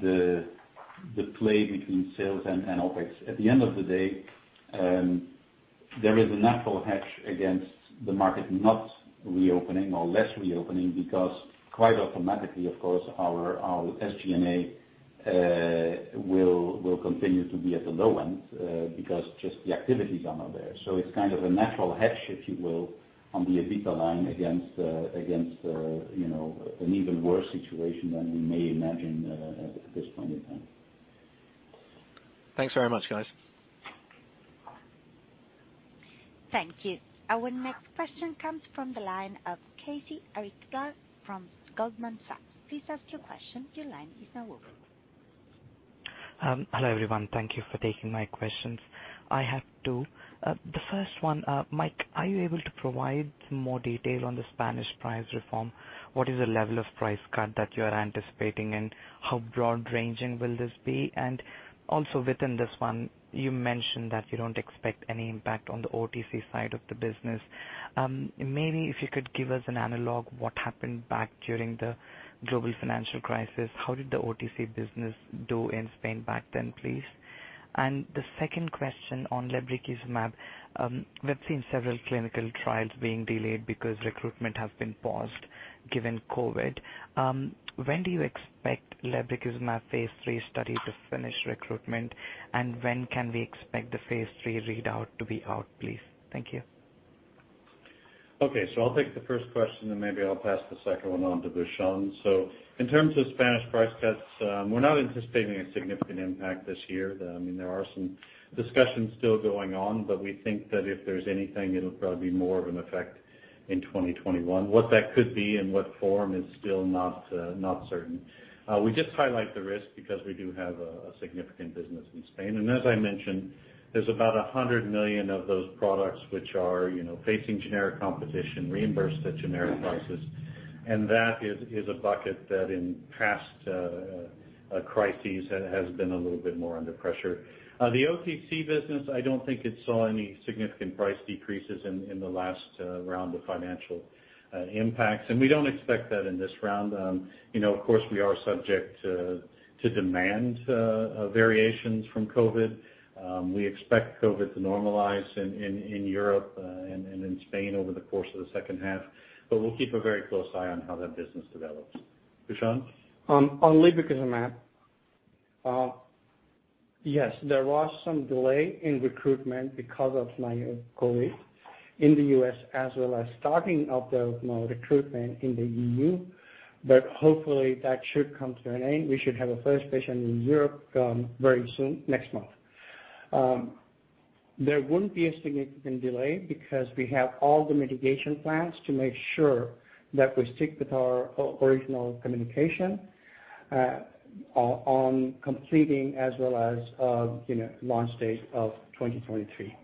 the play between sales and OPEX. At the end of the day, there is a natural hedge against the market not reopening or less reopening because quite automatically, of course, our SG&A will continue to be at the low end because just the activity is not there. It's kind of a natural hedge, if you will, on the EBITDA line against an even worse situation than we may imagine at this point in time. Thanks very much, guys. Thank you. Our next question comes from the line of Krishna Arikatla from Goldman Sachs. Please ask your question. Your line is now open. Hello, everyone. Thank you for taking my questions. I have two. The first one, Mike, are you able to provide some more detail on the Spanish price reform? What is the level of price cut that you are anticipating, and how broad-ranging will this be? Within this one, you mentioned that you don't expect any impact on the OTC side of the business. Maybe if you could give us an analog, what happened back during the global financial crisis, how did the OTC business do in Spain back then, please? The second question on lebrikizumab, we've seen several clinical trials being delayed because recruitment has been paused given COVID. When do you expect lebrikizumab phase III study to finish recruitment and when can we expect the phase III readout to be out, please? Thank you. Okay. I'll take the first question, then maybe I'll pass the second one on to Bhushan. In terms of Spanish price cuts, we're not anticipating a significant impact this year. There are some discussions still going on, but we think that if there's anything, it'll probably be more of an effect in 2021. What that could be and what form is still not certain. We just highlight the risk because we do have a significant business in Spain. As I mentioned, there's about 100 million of those products, which are facing generic competition, reimbursed at generic prices. That is a bucket that in past crises has been a little bit more under pressure. The OTC business, I don't think it saw any significant price decreases in the last round of financial impacts, and we don't expect that in this round. We are subject to demand variations from COVID. We expect COVID to normalize in Europe and in Spain over the course of the second half. We'll keep a very close eye on how that business develops. Bhushan? On lebrikizumab. Yes, there was some delay in recruitment because of COVID in the U.S. as well as starting up the recruitment in the E.U. Hopefully that should come to an end. We should have a first patient in Europe very soon, next month. There wouldn't be a significant delay because we have all the mitigation plans to make sure that we stick with our original communication, on completing as well as launch date of 2023.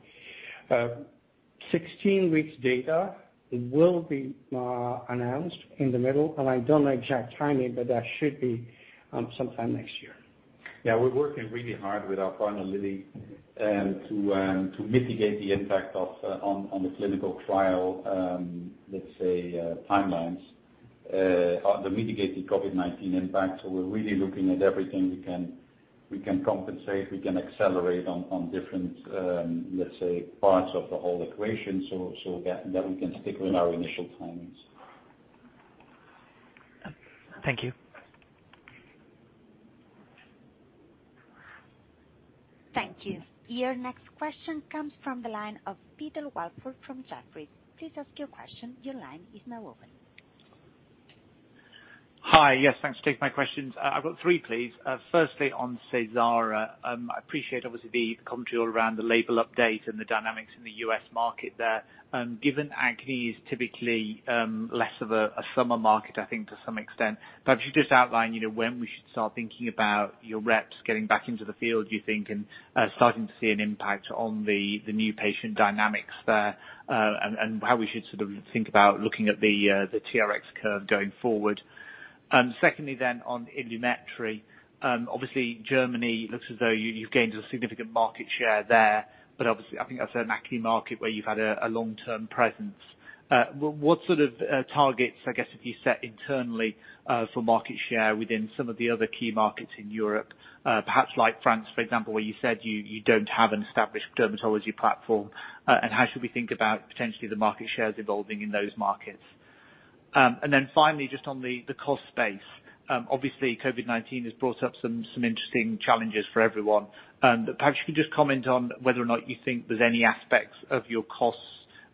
16 weeks data will be announced in the middle. I don't know exact timing. That should be sometime next year. Yeah, we're working really hard with our partner, Lilly, to mitigate the impact on the clinical trial, let's say timelines, to mitigate the COVID-19 impact. We're really looking at everything we can compensate, we can accelerate on different, let's say, parts of the whole equation so that we can stick with our initial timings. Thank you. Thank you. Your next question comes from the line of Peter Welford from Jefferies. Please ask your question. Your line is now open. Hi. Yes, thanks for taking my questions. I've got three, please. Firstly, on Seysara. I appreciate, obviously, the commentary all around the label update and the dynamics in the U.S. market there. Given acne is typically less of a summer market, I think to some extent, perhaps you just outline when we should start thinking about your reps getting back into the field, you think, and starting to see an impact on the new patient dynamics there. How we should sort of think about looking at the TRx curve going forward. Secondly, on Ilumetri. Obviously, Germany looks as though you've gained a significant market share there, but obviously, I think that's an acne market where you've had a long-term presence. What sort of targets, I guess, have you set internally, for market share within some of the other key markets in Europe? Perhaps like France, for example, where you said you don't have an established dermatology platform. How should we think about potentially the market shares evolving in those markets? Finally, just on the cost space. Obviously, COVID-19 has brought up some interesting challenges for everyone. Perhaps you can just comment on whether or not you think there's any aspects of your costs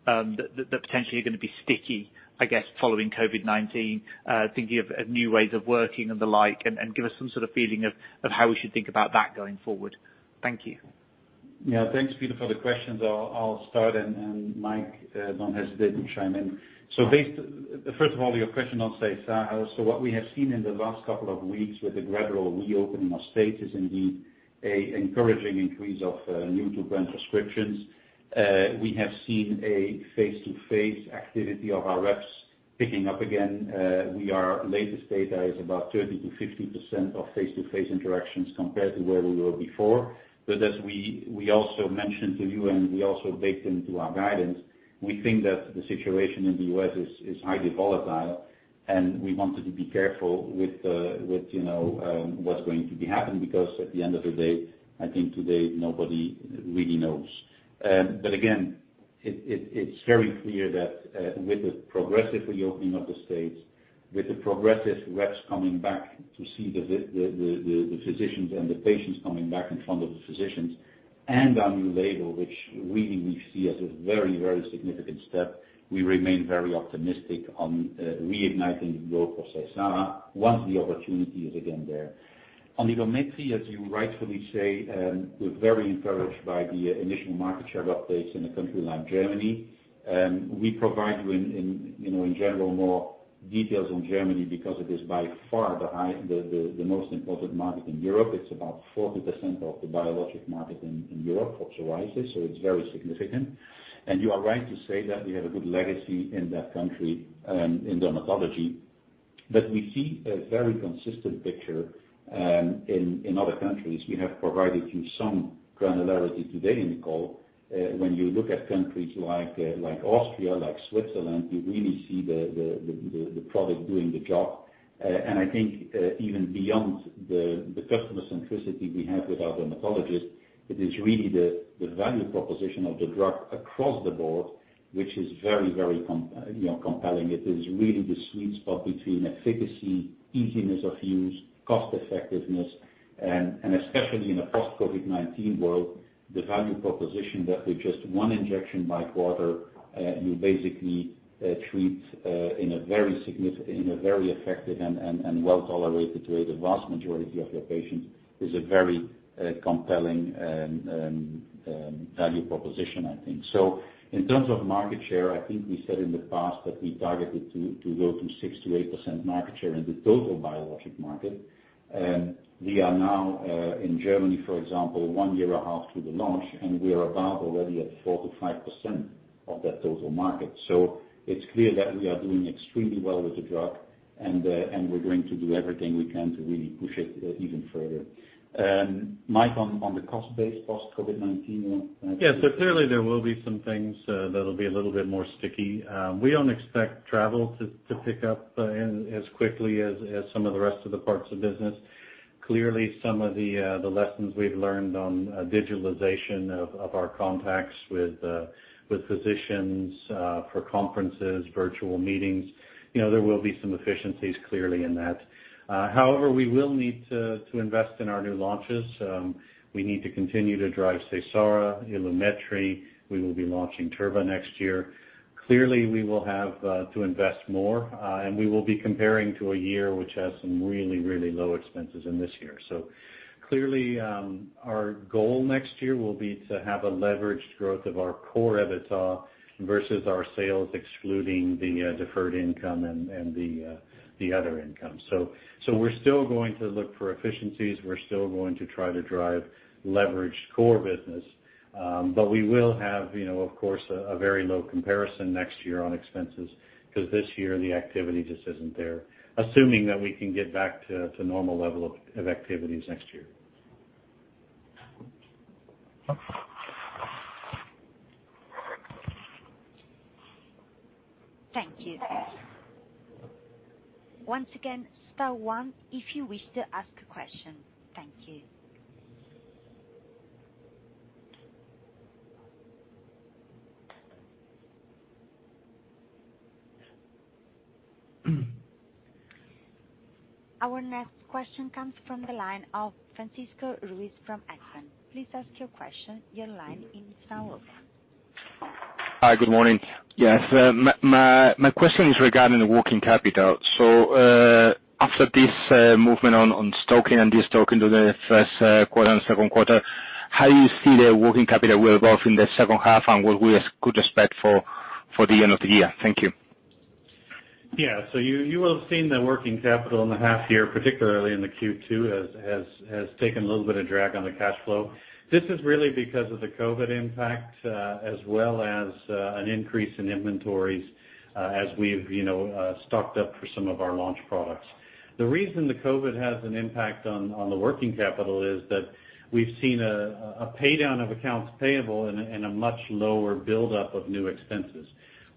that potentially are going to be sticky, I guess, following COVID-19, thinking of new ways of working and the like, and give us some sort of feeling of how we should think about that going forward. Thank you. Yeah. Thanks, Peter for the questions. I'll start and Mike, don't hesitate to chime in. Based, first of all, your question on Seysara. What we have seen in the last couple of weeks with the gradual reopening of states is indeed an encouraging increase of new-to-brand prescriptions. We have seen a face-to-face activity of our reps picking up again. Our latest data is about 30%-50% of face-to-face interactions compared to where we were before. As we also mentioned to you and we also baked into our guidance, we think that the situation in the U.S. is highly volatile, and we wanted to be careful with what's going to be happening because at the end of the day, I think today, nobody really knows. Again, it's very clear that with the progressive reopening of the states, with the progressive reps coming back to see the physicians and the patients coming back in front of the physicians and our new label, which really we see as a very, very significant step, we remain very optimistic on reigniting the growth of Seysara once the opportunity is again there. On Ilumetri, as you rightfully say, we're very encouraged by the initial market share updates in a country like Germany. We provide you in general more details on Germany because it is by far the most important market in Europe. It's about 40% of the biologic market in Europe for psoriasis, so it's very significant. You are right to say that we have a good legacy in that country, in dermatology. We see a very consistent picture in other countries. We have provided you some granularity today in the call. When you look at countries like Austria, like Switzerland, you really see the product doing the job. I think even beyond the customer centricity we have with our dermatologists, it is really the value proposition of the drug across the board, which is very compelling. It is really the sweet spot between efficacy, easiness of use, cost-effectiveness, and especially in a post-COVID-19 world, the value proposition that with just one injection per quarter, you basically treat in a very effective and well-tolerated way, the vast majority of your patients, is a very compelling value proposition, I think. In terms of market share, I think we said in the past that we targeted to go from 6%-8% market share in the total biologic market. We are now in Germany, for example, one year a half to the launch, we are above already at 4%-5% of that total market. It's clear that we are doing extremely well with the drug and we're going to do everything we can to really push it even further. Mike, on the cost base post-COVID-19. Yes. Clearly there will be some things that'll be a little bit more sticky. We don't expect travel to pick up as quickly as some of the rest of the parts of business. Clearly, some of the lessons we've learned on digitalization of our contacts with physicians for conferences, virtual meetings, there will be some efficiencies clearly in that. However, we will need to invest in our new launches. We need to continue to drive Seysara, Ilumetri. We will be launching Klisyri next year. Clearly, we will have to invest more, and we will be comparing to a year which has some really low expenses in this year. Clearly, our goal next year will be to have a leveraged growth of our core EBITDA versus our sales, excluding the deferred income and the other income. We're still going to look for efficiencies. We're still going to try to drive leveraged core business. We will have, of course, a very low comparison next year on expenses because this year the activity just isn't there, assuming that we can get back to normal level of activities next year. Thank you. Once again, star one if you wish to ask a question. Thank you. Our next question comes from the line of Francisco Ruiz from Exane. Please ask your question. Your line is now open. Hi, good morning. Yes. My question is regarding the working capital. After this movement on stocking and de-stocking to the first quarter and second quarter, how you see the working capital will evolve in the second half and what we could expect for the end of the year? Thank you. You will have seen the working capital in the half year, particularly in the Q2, has taken a little bit of drag on the cash flow. This is really because of the COVID impact, as well as an increase in inventories, as we've stocked up for some of our launch products. The reason the COVID has an impact on the working capital is that we've seen a pay-down of accounts payable and a much lower buildup of new expenses.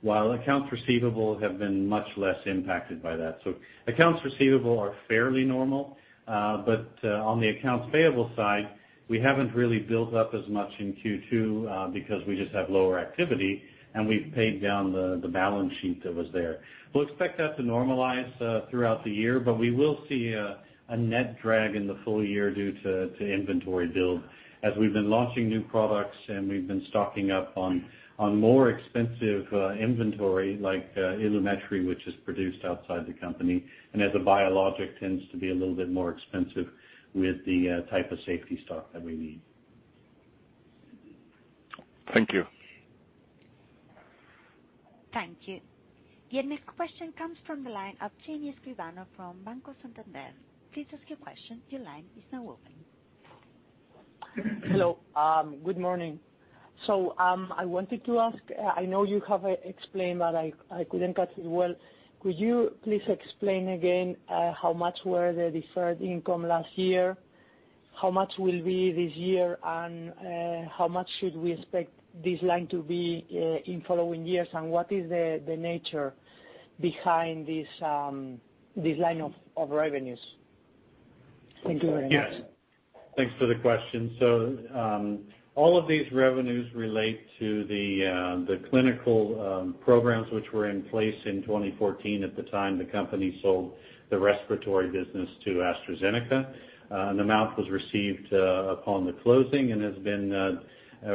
While accounts receivable have been much less impacted by that. Accounts receivable are fairly normal, but on the accounts payable side, we haven't really built up as much in Q2 because we just have lower activity, and we've paid down the balance sheet that was there. We'll expect that to normalize throughout the year. We will see a net drag in the full year due to inventory build as we've been launching new products and we've been stocking up on more expensive inventory like Ilumetri, which is produced outside the company, and as a biologic tends to be a little bit more expensive with the type of safety stock that we need. Thank you. Thank you. Your next question comes from the line of Jaime Escribano from Banco Santander. Please ask your question. Your line is now open. Hello. Good morning. I wanted to ask, I know you have explained, but I couldn't catch it well. Could you please explain again, how much were the deferred income last year? How much will it be this year? How much should we expect this line to be in following years, and what is the nature behind this line of revenues? Thank you very much. Thanks for the question. All of these revenues relate to the clinical programs which were in place in 2014 at the time the company sold the respiratory business to AstraZeneca. An amount was received upon the closing and has been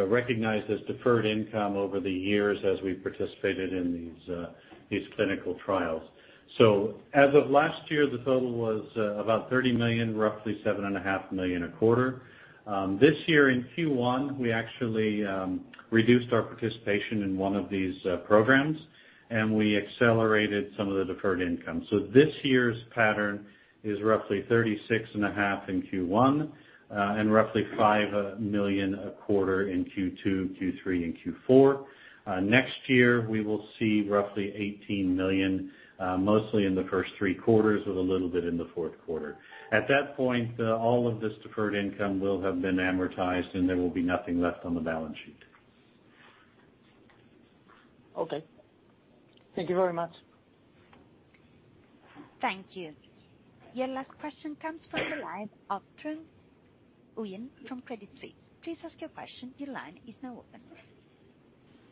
recognized as deferred income over the years as we participated in these clinical trials. As of last year, the total was about 30 million, roughly 7.5 million a quarter. This year in Q1, we actually reduced our participation in one of these programs, and we accelerated some of the deferred income. This year's pattern is roughly 36.5 million in Q1, and roughly 5 million a quarter in Q2, Q3, and Q4. Next year, we will see roughly 18 million, mostly in the first three quarters with a little bit in the fourth quarter. At that point, all of this deferred income will have been amortized, and there will be nothing left on the balance sheet. Okay. Thank you very much. Thank you. Your last question comes from the line of Trung Huynh from Credit Suisse. Please ask your question. Your line is now open.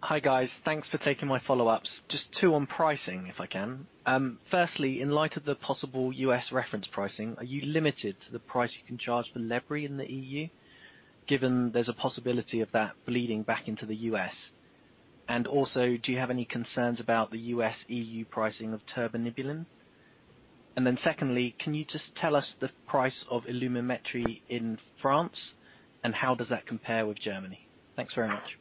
Hi, guys. Thanks for taking my follow-ups. Just two on pricing, if I can. In light of the possible U.S. reference pricing, are you limited to the price you can charge for lebrikizumab in the EU, given there's a possibility of that bleeding back into the U.S.? Also, do you have any concerns about the U.S.-EU pricing of tirbanibulin? Secondly, can you just tell us the price of Ilumetri in France, and how does that compare with Germany? Thanks very much.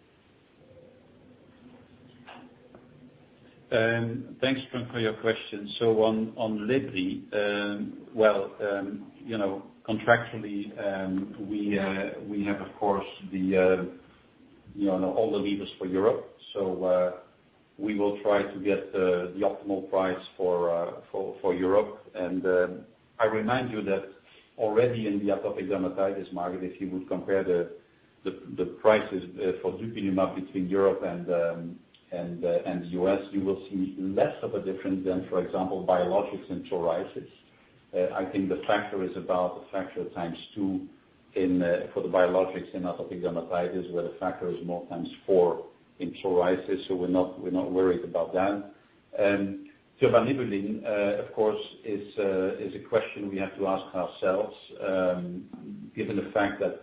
Thanks, Trung, for your question. On lebrikizumab, contractually, we have, of course, all the levers for Europe. I remind you that already in the atopic dermatitis market, if you would compare the prices for dupilumab between Europe and the U.S., you will see less of a difference than, for example, biologics and psoriasis. I think the factor is about a factor x2 for the biologics in atopic dermatitis, where the factor is more x4 in psoriasis. We're not worried about that. tirbanibulin, of course, is a question we have to ask ourselves, given the fact that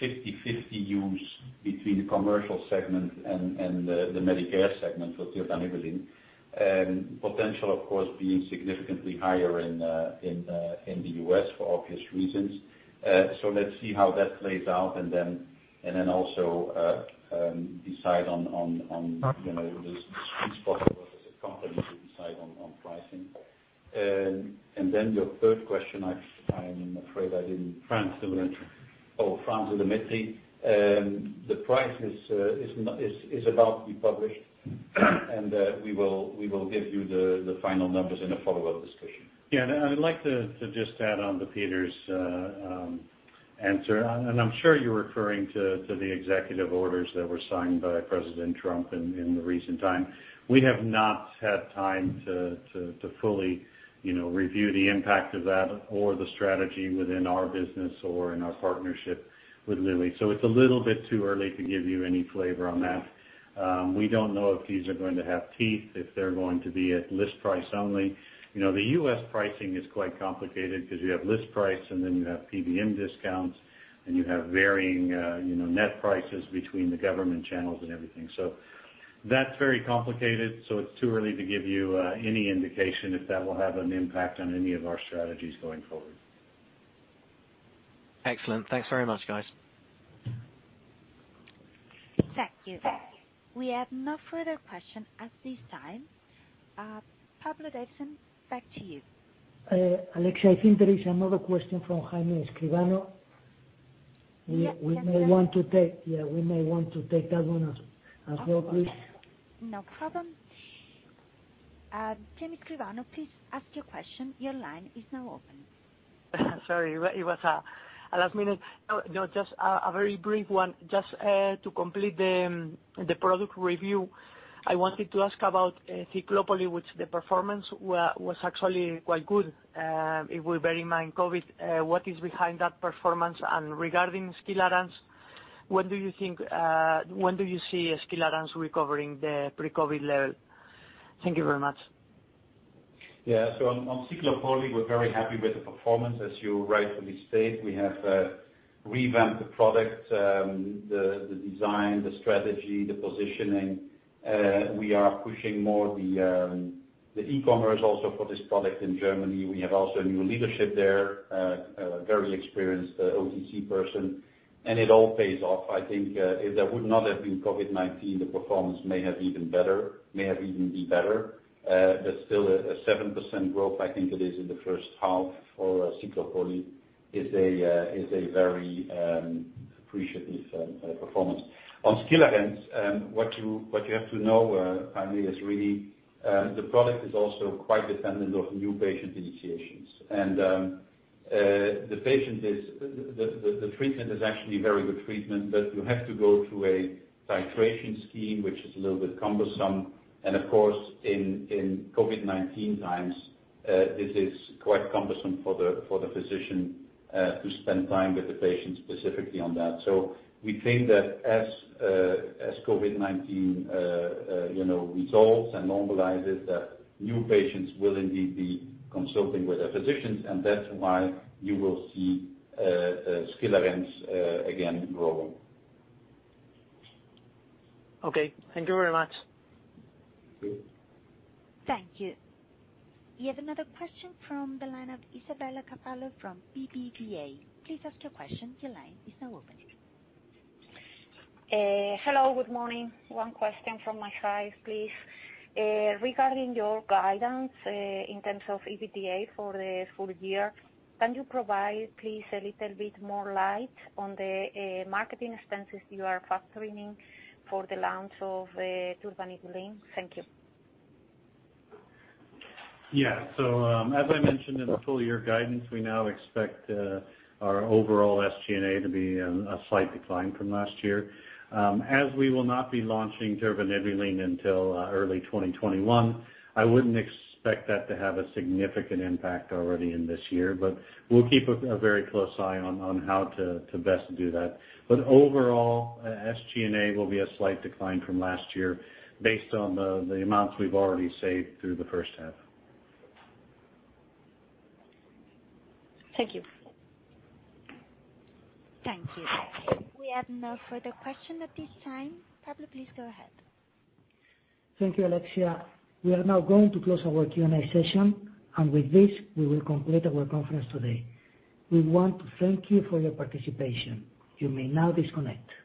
we anticipate roughly a 50/50 use between the commercial segment and the Medicare segment for tirbanibulin. Potential, of course, being significantly higher in the U.S. for obvious reasons. Let's see how that plays out and also decide on the sweet spot as a company to decide on pricing. Your third question, I'm afraid I didn't reference Ilumetri. The price is about to be published, and we will give you the final numbers in a follow-up discussion. Yeah, I'd like to just add on to Peter's answer, and I'm sure you're referring to the executive orders that were signed by President Trump in the recent time. We have not had time to fully review the impact of that or the strategy within our business or in our partnership with Lilly. It's a little bit too early to give you any flavor on that. We don't know if these are going to have teeth, if they're going to be at list price only. The U.S. pricing is quite complicated because you have list price and then you have PBM discounts, and you have varying net prices between the government channels and everything. That's very complicated, so it's too early to give you any indication if that will have an impact on any of our strategies going forward. Excellent. Thanks very much, guys. Thank you. We have no further question at this time. Pablo Divasson, back to you. Alexia, I think there is another question from Jaime Escribano. Yes. We may want to take that one as well, please. No problem. Jaime Escribano, please ask your question. Your line is now open. Sorry, it was a last minute. No, just a very brief one. Just to complete the product review, I wanted to ask about Ciclopoli, which the performance was actually quite good, if we bear in mind COVID. What is behind that performance, and regarding Skilarence, when do you see Skilarence recovering the pre-COVID level? Thank you very much. Yeah. On Ciclopoli, we're very happy with the performance, as you rightfully state. We have revamped the product, the design, the strategy, the positioning. We are pushing more the e-commerce also for this product in Germany. We have also a new leadership there, a very experienced OTC person, and it all pays off. I think if there would not have been COVID-19, the performance may have even be better. Still, a 7% growth, I think it is, in the first half for Ciclopoli is a very appreciative performance. On Skilarence, what you have to know, Jaime, is really the product is also quite dependent on new patient initiations. The treatment is actually very good treatment, but you have to go through a titration scheme, which is a little bit cumbersome. Of course, in COVID-19 times, it is quite cumbersome for the physician to spend time with the patient specifically on that. We think that as COVID-19 resolves and normalizes, that new patients will indeed be consulting with their physicians, and that's why you will see Skilarence again growing. Okay. Thank you very much. Thank you. We have another question from the line of Isabel Carballo from BBVA. Please ask your question. Your line is now open. Hello, good morning. One question from my side, please. Regarding your guidance, in terms of EBITDA for the full year, can you provide, please, a little bit more light on the marketing expenses you are factoring for the launch of tirbanibulin? Thank you. As I mentioned in the full-year guidance, we now expect our overall SG&A to be in a slight decline from last year. As we will not be launching tirbanibulin until early 2021, I wouldn't expect that to have a significant impact already in this year. We'll keep a very close eye on how to best do that. Overall, SG&A will be a slight decline from last year based on the amounts we've already saved through the first half. Thank you. Thank you. We have no further question at this time. Pablo, please go ahead. Thank you, Alexia. We are now going to close our Q&A session, and with this, we will complete our conference today. We want to thank you for your participation. You may now disconnect.